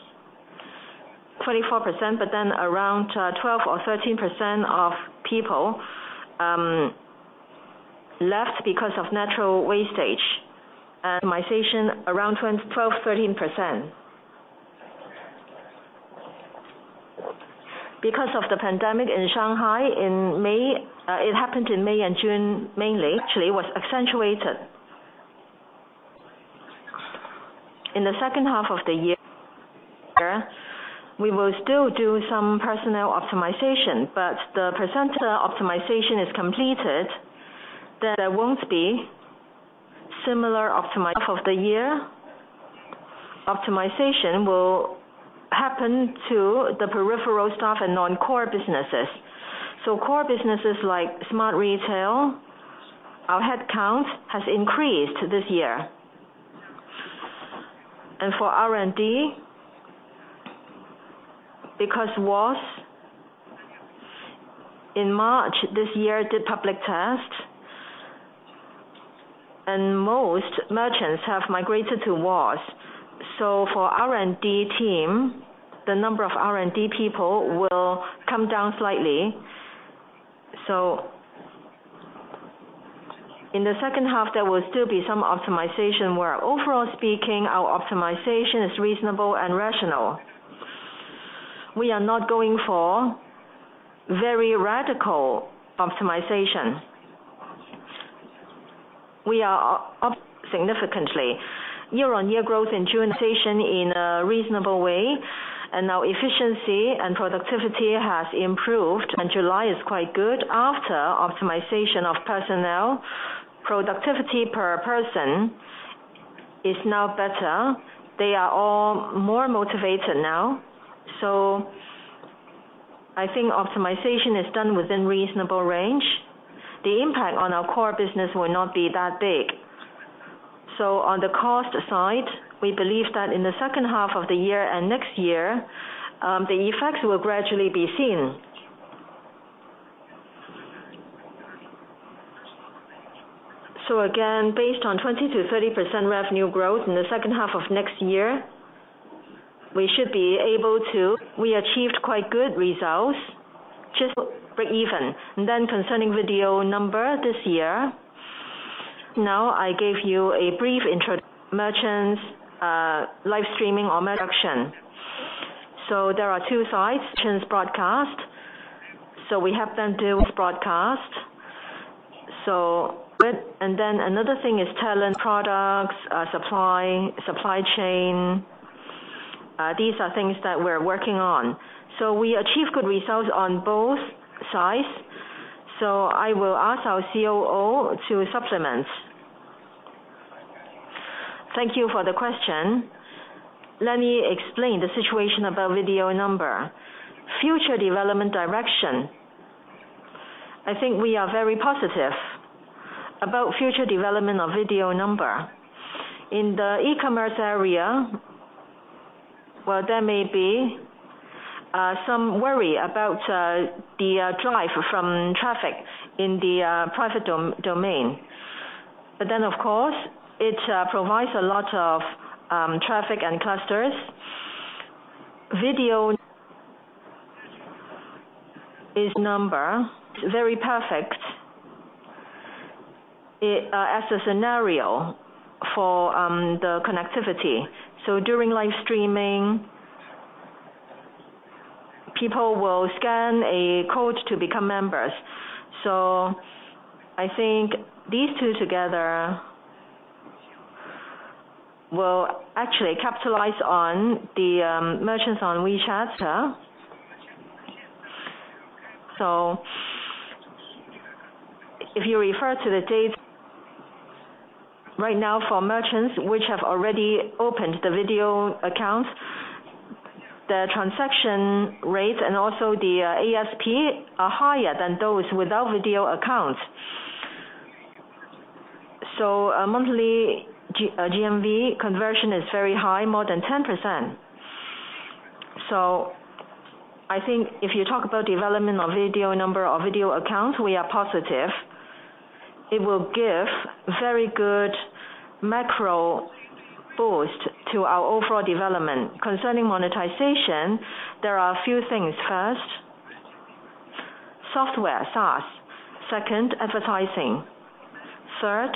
24%, but then around 12% or 13% of people left because of natural wastage and optimization around 12%, 13%. Because of the pandemic in Shanghai in May, it happened in May and June, mainly, actually was accentuated. In the second half of the year, we will still do some personnel optimization, but the percentage optimization is completed. There won't be similar optimization of the year. Optimization will happen to the peripheral staff and non-core businesses. Core businesses like Smart Retail, our head count has increased this year. For R&D, because WOS in March this year did public test, and most merchants have migrated to WOS. For R&D team, the number of R&D people will come down slightly. In the second half, there will still be some optimization where overall speaking, our optimization is reasonable and rational. We are not going for very radical optimization. We are significantly year-on-year growth in June in a reasonable way, and now efficiency and productivity has improved, and July is quite good. After optimization of personnel, productivity per person is now better. They are all more motivated now, so I think optimization is done within reasonable range. The impact on our core business will not be that big. On the cost side, we believe that in the second half of the year and next year, the effects will gradually be seen. Again, based on 20%-30% revenue growth in the second half of next year, we should be able to achieve quite good results just to break even. Concerning video number this year. Now, I gave you a brief intro to merchants, live streaming or production. There are two sides, merchants broadcast. We help them do broadcast. Then another thing is talent products, supply chain. These are things that we're working on. We achieve good results on both sides. I will ask our COO to supplement. Thank you for the question. Let me explain the situation about video number. Future development direction. I think we are very positive about future development of video number. In the e-commerce area, there may be some worry about the drive from traffic in the private domain. Of course, it provides a lot of traffic and clusters. Video Number is very perfect as a scenario for the connectivity. During live streaming, people will scan a code to become members. I think these two together will actually capitalize on the merchants on WeChat. If you refer to the date right now for merchants which have already opened the video accounts, the transaction rates and also the ASP are higher than those without video accounts. A monthly GMV conversion is very high, more than 10%. I think if you talk about development of video number or video accounts, we are positive it will give very good macro boost to our overall development. Concerning monetization, there are a few things. First, software, SaaS. Second, advertising. Third,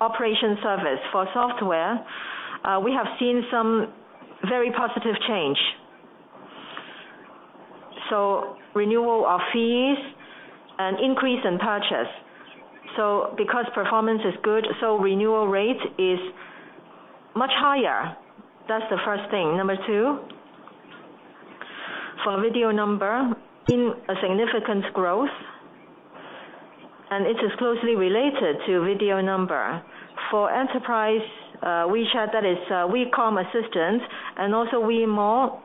operation service. For software, we have seen some very positive change. Renewal of fees and increase in purchase. Because performance is good, renewal rate is much higher. That's the first thing. Number two. For video number in a significant growth, and it is closely related to video number. For enterprise, WeChat, that is, WeCom Assistant, and also WeMall.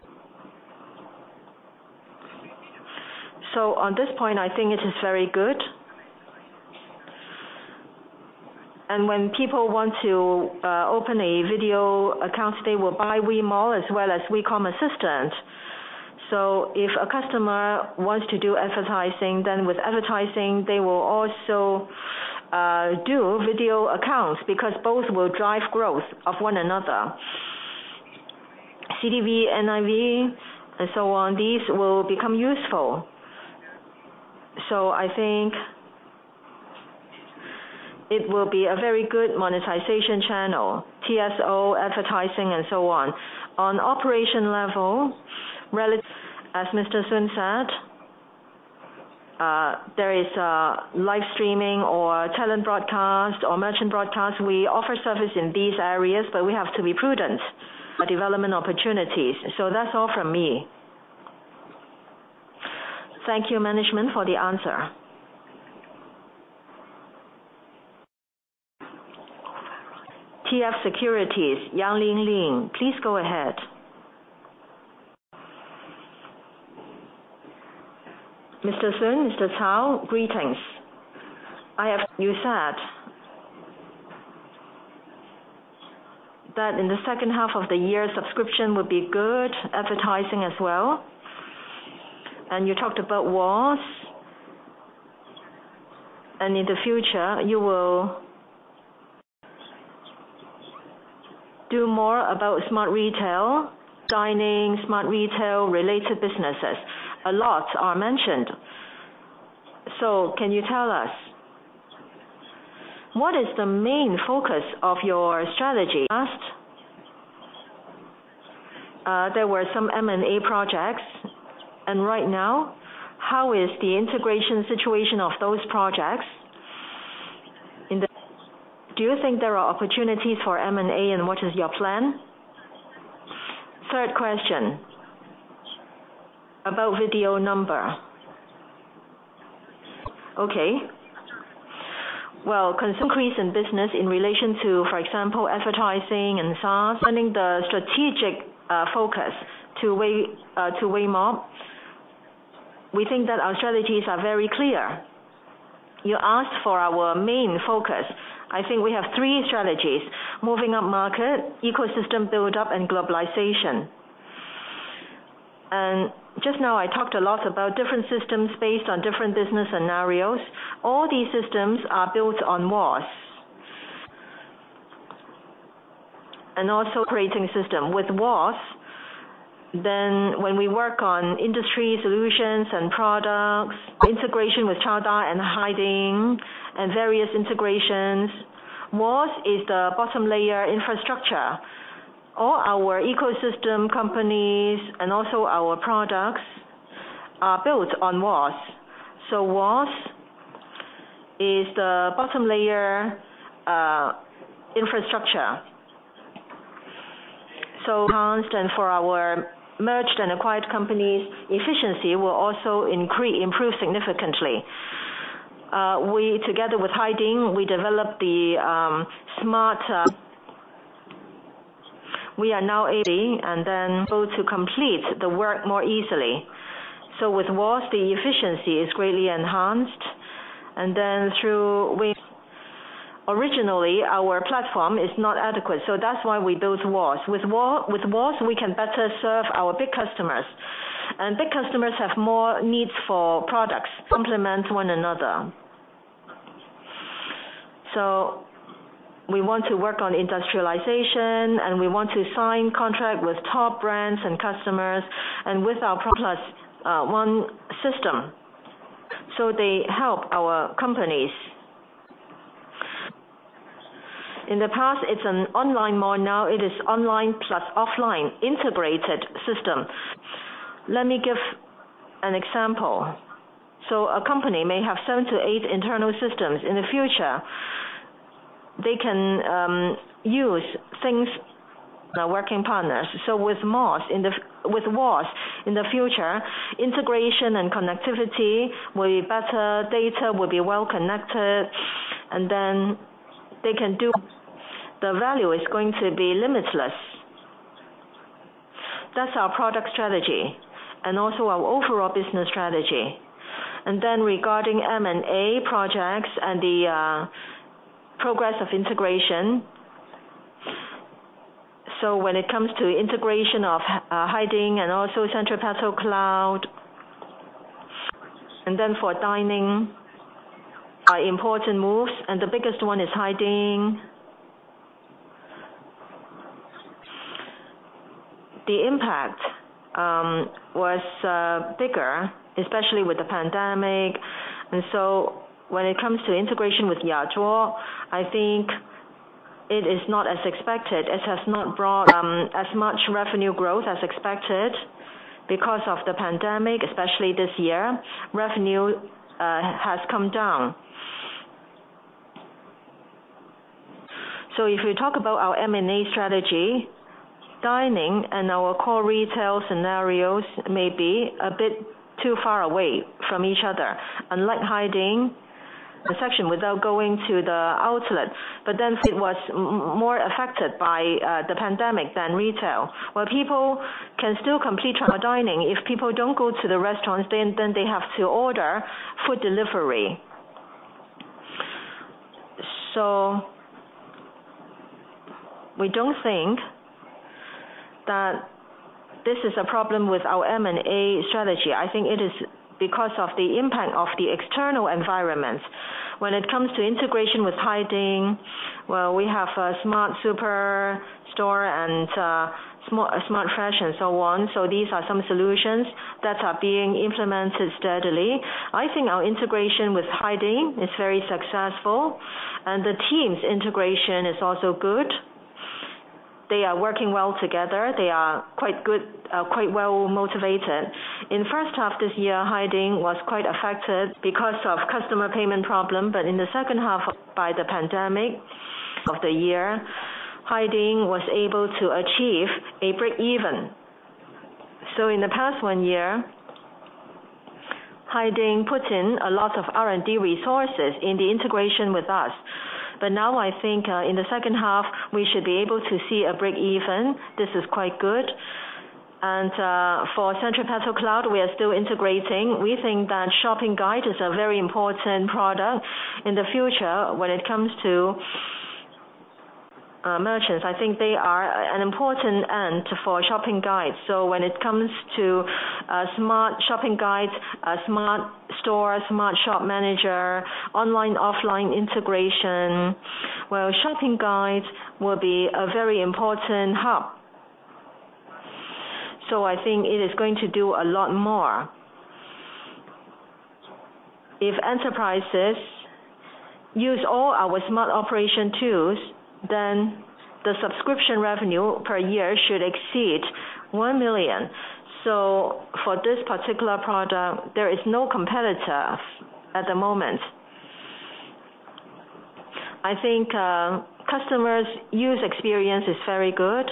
On this point, I think it is very good. When people want to open a video account, they will buy WeMall as well as WeCom Assistant. If a customer wants to do advertising, then with advertising, they will also do video accounts because both will drive growth of one another. CDV, NIV, and so on, these will become useful. I think it will be a very good monetization channel, TSO, advertising, and so on. On operation level, as Mr. Sun said, there is live streaming or talent broadcast or merchant broadcast. We offer service in these areas, but we have to be prudent. The development opportunities. That's all from me. Thank you, management, for the answer. TF Securities, Yang Lingling, please go ahead. Mr. Sun, Mr. Cao, greetings. You said that in the second half of the year, subscription would be good, advertising as well. You talked about WOS. In the future, you will do more about Smart Retail, Dining, Smart Retail-related businesses. A lot are mentioned. Can you tell us what is the main focus of your strategy? Last, there were some M&A projects, and right now, how is the integration situation of those projects? Do you think there are opportunities for M&A, and what is your plan? Third question about video number. Well, increase in business in relation to, for example, advertising and SaaS. Turning the strategic focus to WeMall, we think that our strategies are very clear. You asked for our main focus. I think we have three strategies, moving up market, ecosystem build-up, and globalization. Just now I talked a lot about different systems based on different business scenarios. All these systems are built on WOS. Also operating system. With WOS, when we work on industry solutions and products, integration with Chadao and Haiding and various integrations, WOS is the bottom layer infrastructure. All our ecosystem companies and also our products are built on WOS. WOS is the bottom layer infrastructure. Constant for our merged and acquired companies, efficiency will also improve significantly. We together with Haiding developed the smart. With WOS, the efficiency is greatly enhanced. Then through We... Originally, our platform is not adequate, so that's why we built WOS. With WOS, we can better serve our big customers. Big customers have more needs for products, complement one another. We want to work on industrialization, and we want to sign contract with top brands and customers, and with our plus, one system, so they help our companies. In the past, it's an online mall. Now it is online plus offline integrated system. Let me give an example. A company may have seven to eight internal systems. In the future, they can use things. The working partners. With WOS, in the future, integration and connectivity will be better, data will be well connected, and then they can do. The value is going to be limitless. That's our product strategy and also our overall business strategy. Regarding M&A projects and the progress of integration. When it comes to integration of Haiding and also Centripetal Cloud, and then for dining are important moves, and the biggest one is Haiding. The impact was bigger, especially with the pandemic. When it comes to integration with Yazuo, I think it is not as expected. It has not brought as much revenue growth as expected because of the pandemic, especially this year. Revenue has come down. If we talk about our M&A strategy, dining and our core retail scenarios may be a bit too far away from each other. Unlike Haiding, the sector without going to the outlet, but then it was more affected by the pandemic than retail, where people can still complete dining. If people don't go to the restaurants, then they have to order food delivery. We don't think that this is a problem with our M&A strategy. I think it is because of the impact of the external environment. When it comes to integration with Haiding, well, we have a smart super store and smart fresh and so on. These are some solutions that are being implemented steadily. I think our integration with Haiding is very successful, and the team's integration is also good. They are working well together. They are quite good, quite well motivated. In the first half this year, Haiding was quite affected because of customer payment problem, but in the second half by the pandemic of the year, Haiding was able to achieve a breakeven. In the past one year, Haiding put in a lot of R&D resources in the integration with us. Now I think, in the second half, we should be able to see a break even. This is quite good. For Centripetal Cloud, we are still integrating. We think that shopping guide is a very important product. In the future, when it comes to merchants, I think they are an important end for shopping guides. When it comes to smart shopping guides, smart store, smart shop manager, online/offline integration, well, shopping guides will be a very important hub. I think it is going to do a lot more. If enterprises use all our smart operation tools, then the subscription revenue per year should exceed 1 million. For this particular product, there is no competitor at the moment. I think, customers' use experience is very good,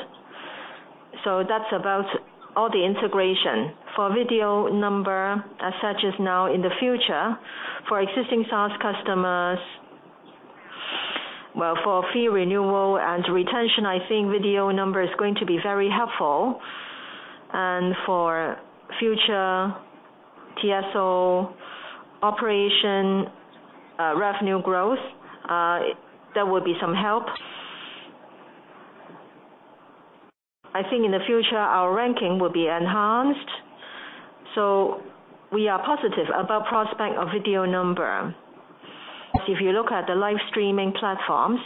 so that's about all the integration. For video number, such as now in the future, for existing SaaS customers, well, for fee renewal and retention, I think video number is going to be very helpful. For future TSO operation, revenue growth, there will be some help. I think in the future, our ranking will be enhanced. We are positive about prospect of video number. If you look at the live streaming platforms,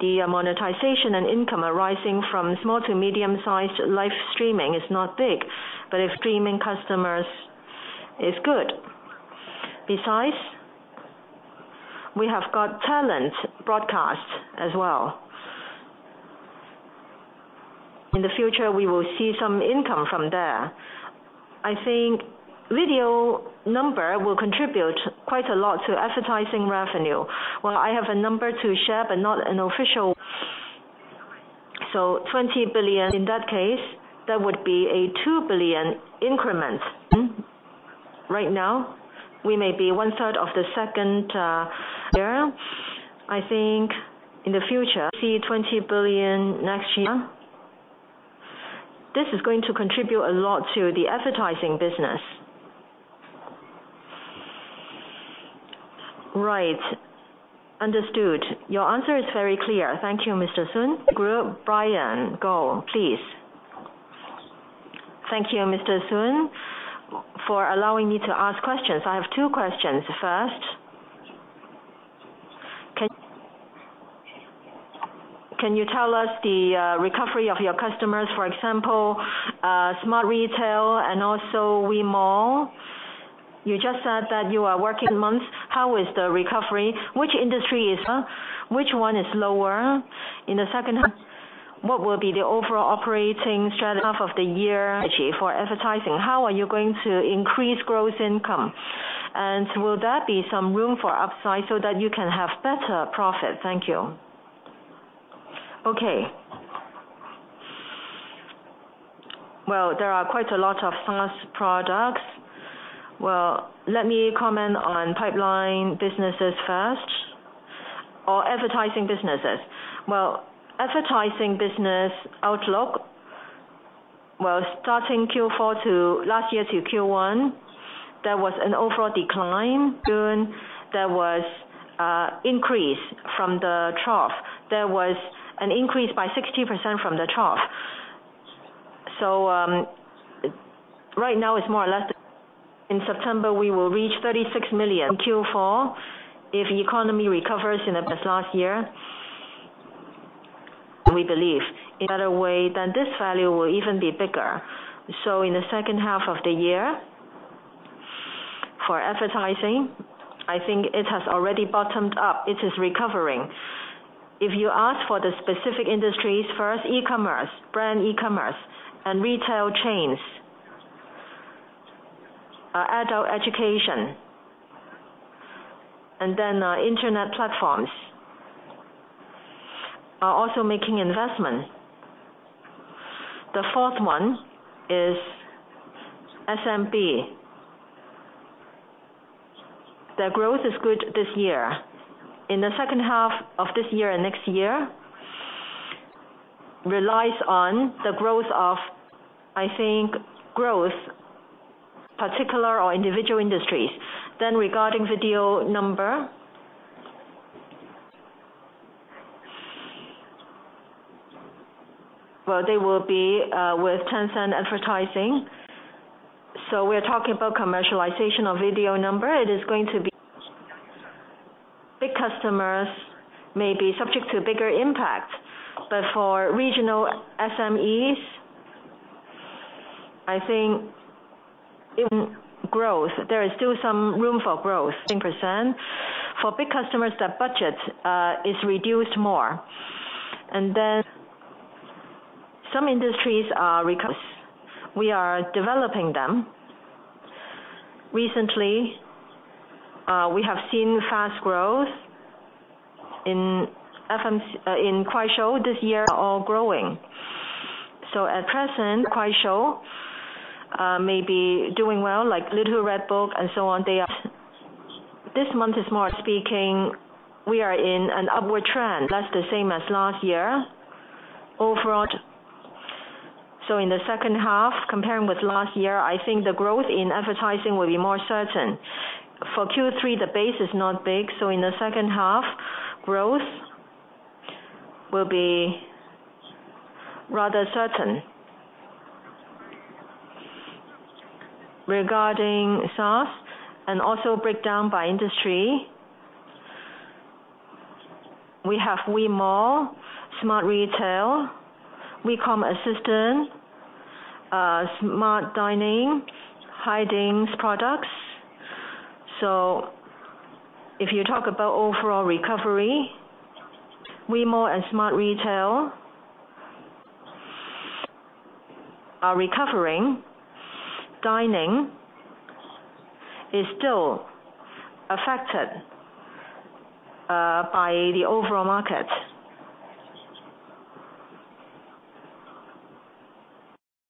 the monetization and income arising from small to medium-sized live streaming is not big, but if streaming customers is good. Besides, we have got talent broadcast as well. In the future, we will see some income from there. I think video number will contribute quite a lot to advertising revenue. Well, I have a number to share, but not an official. CNY 2O billion in that case, that would be a 2 billion increment. Right now, we may be one-third of the second year. I think in the future, we see 20 billion next year. This is going to contribute a lot to the advertising business. Right. Understood. Your answer is very clear. Thank you, Mr. Sun. Brian Gong, please. Thank you, Mr. Sun, for allowing me to ask questions. I have two questions. First, can you tell us the recovery of your customers? For example, Smart Retail and also WeMall. You just said that you are working months. How is the recovery? Which one is lower? In the second half, what will be the overall operating strategy for advertising? How are you going to increase gross income? Will there be some room for upside so that you can have better profit? Thank you. Okay. Well, there are quite a lot of SaaS products. Well, let me comment on pipeline businesses first or advertising businesses. Well, advertising business outlook, well, starting Q4 last year to Q1, there was an overall decline. There was an increase by 60% from the trough. Right now it's more or less. In September, we will reach 36 million from Q4. If the economy recovers in the last year, we believe anyway that this value will even be bigger. In the second half of the year, for advertising, I think it has already bottomed out. It is recovering. If you ask for the specific industries, first e-commerce, brand e-commerce and retail chains, adult education, and then, internet platforms are also making investments. The fourth one is SMB. Their growth is good this year. In the second half of this year and next year, relies on the growth of, I think, particular or individual industries. Regarding video number. Well, they will be with Tencent advertising. We're talking about commercialization of video number. It is going to be big customers may be subject to bigger impact. For regional SMEs, I think there is still some room for growth, 10%. For big customers, the budget is reduced more. Some industries are recovered. We are developing them. Recently, we have seen fast growth in FMCG in Kuaishou this year. They are all growing. At present, Kuaishou may be doing well, like Little Red Book and so on. They are. This month, more specifically, we are in an upward trend. That's the same as last year. Overall. In the second half, comparing with last year, I think the growth in advertising will be more certain. For Q3, the base is not big, so in the second half, growth will be rather certain. Regarding SaaS and also breakdown by industry, we have WeMall, Smart Retail, WeCom Assistant, Smart Dining, Haiding's products. If you talk about overall recovery, WeMall and Smart Retail are recovering. Dining is still affected by the overall market.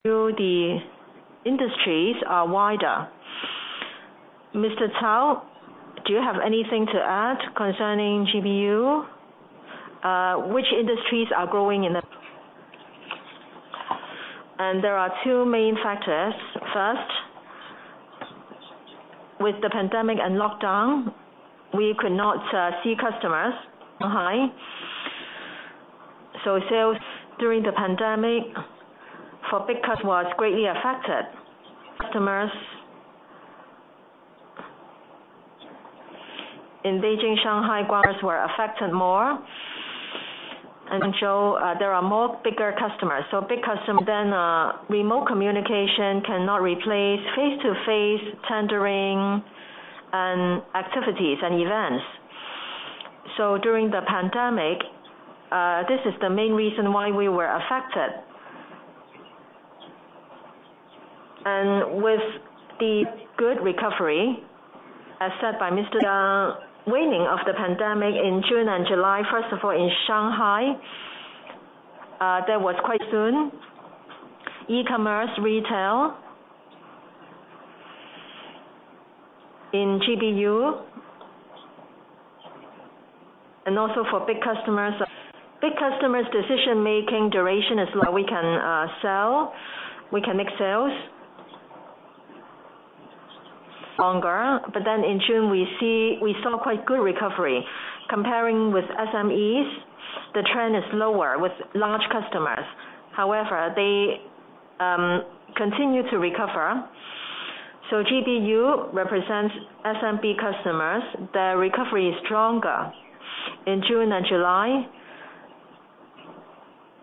The industries are wider. Mr. Cao, do you have anything to add concerning GBU? There are two main factors. First, with the pandemic and lockdown, we could not see customers. Sales during the pandemic for big customers was greatly affected. Customers in Beijing, Shanghai, Guangzhou were affected more. There are more bigger customers. Big customers then, remote communication cannot replace face-to-face tendering and activities and events. During the pandemic, this is the main reason why we were affected. With the good recovery, as said by Mr. Sun, waning of the pandemic in June and July, first of all, in Shanghai, that was quite soon. E-commerce, retail in GBU, and also for big customers. Big customers' decision-making duration is long. We can sell. We can make sales longer, but then in June, we saw quite good recovery. Comparing with SMEs, the trend is lower with large customers. However, they continue to recover. GBU represents SMB customers. Their recovery is stronger. In June and July,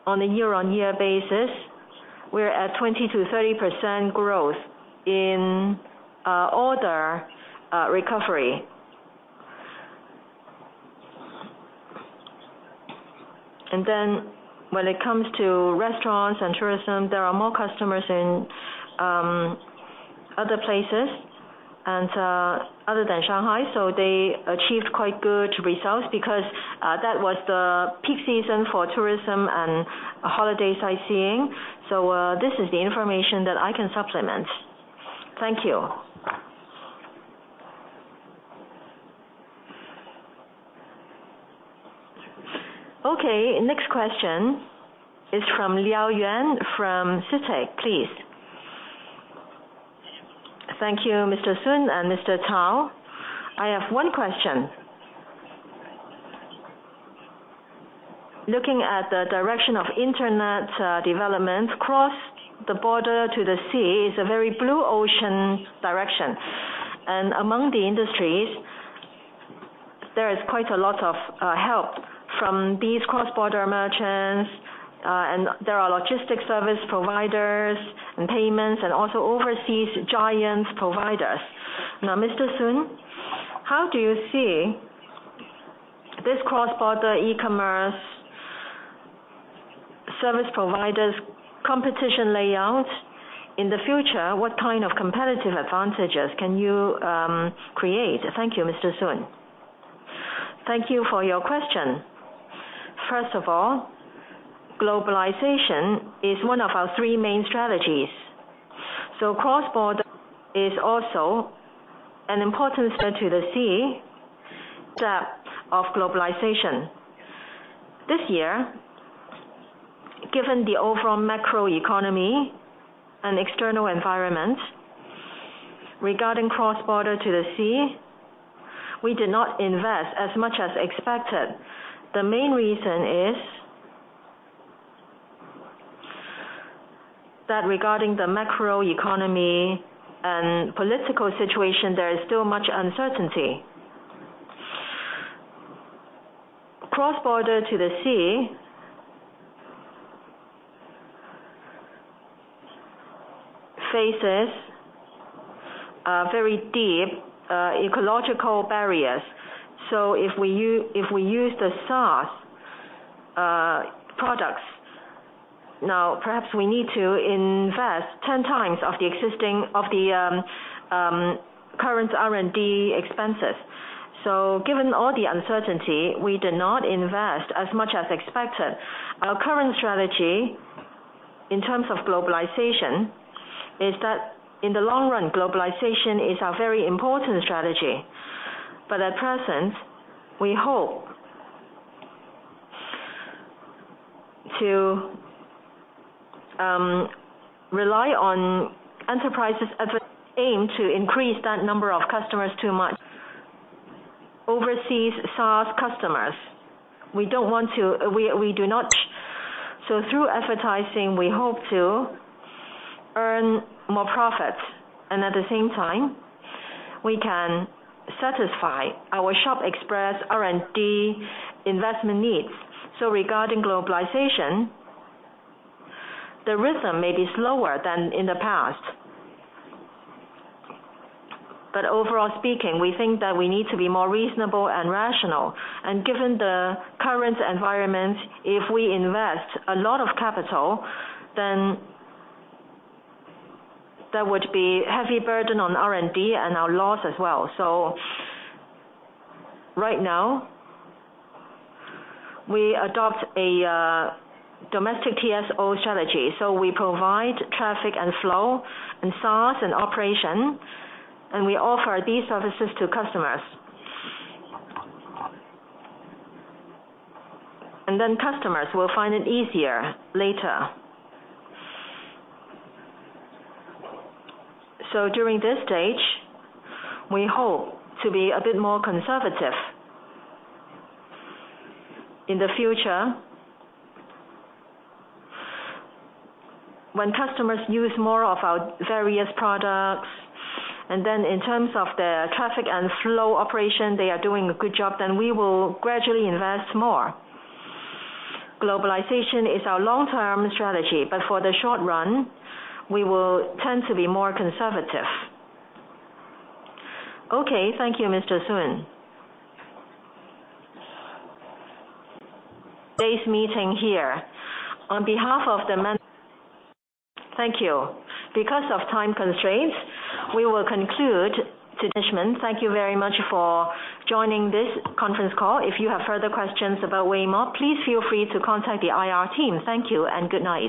on a year-on-year basis, we're at 20%-30% growth in order recovery. When it comes to restaurants and tourism, there are more customers in other places and other than Shanghai. They achieved quite good results because that was the peak season for tourism and holiday sightseeing. This is the information that I can supplement. Thank you. Okay, next question is from Yuan Liao from CITIC Securities, please. Thank you, Mr. Sun and Mr. Cao. I have one question. Looking at the direction of internet development, cross the border to the sea is a very blue ocean direction. Among the industries, there is quite a lot of help from these cross-border merchants, and there are logistics service providers and payments and also overseas giant providers. Now, Mr. Sun, how do you see this cross-border e-commerce service providers competition layout. In the future, what kind of competitive advantages can you create? Thank you, Mr. Sun. Thank you for your question. First of all, globalization is one of our three main strategies. Cross-border is also an important step to the sea, step of globalization. This year, given the overall macroeconomy and external environment, regarding cross-border to the sea, we did not invest as much as expected. The main reason is that regarding the macroeconomy and political situation, there is still much uncertainty. Cross-border to the sea faces very deep ecological barriers. If we use the SaaS products now, perhaps we need to invest ten times of the current R&D expenses. Given all the uncertainty, we did not invest as much as expected. Our current strategy, in terms of globalization, is that in the long run, globalization is a very important strategy. At present, we hope to rely on enterprises as we aim to increase that number of customers too much. Overseas SaaS customers, we do not. Through advertising, we hope to earn more profit, and at the same time, we can satisfy our ShopExpress R&D investment needs. Regarding globalization, the rhythm may be slower than in the past. Overall speaking, we think that we need to be more reasonable and rational. Given the current environment, if we invest a lot of capital, then there would be heavy burden on R&D and our loss as well. Right now, we adopt a domestic TSO strategy. We provide traffic and flow and SaaS and operation, and we offer these services to customers. Then customers will find it easier later. During this stage, we hope to be a bit more conservative. In the future, when customers use more of our various products, and then in terms of the traffic and flow operation, they are doing a good job, then we will gradually invest more. Globalization is our long-term strategy, but for the short run, we will tend to be more conservative. Okay. Thank you, Mr. Sun. Today's meeting here. Thank you. Because of time constraints, we will conclude today's meeting. Thank you very much for joining this conference call. If you have further questions about Weimob, please feel free to contact the IR team. Thank you and good night.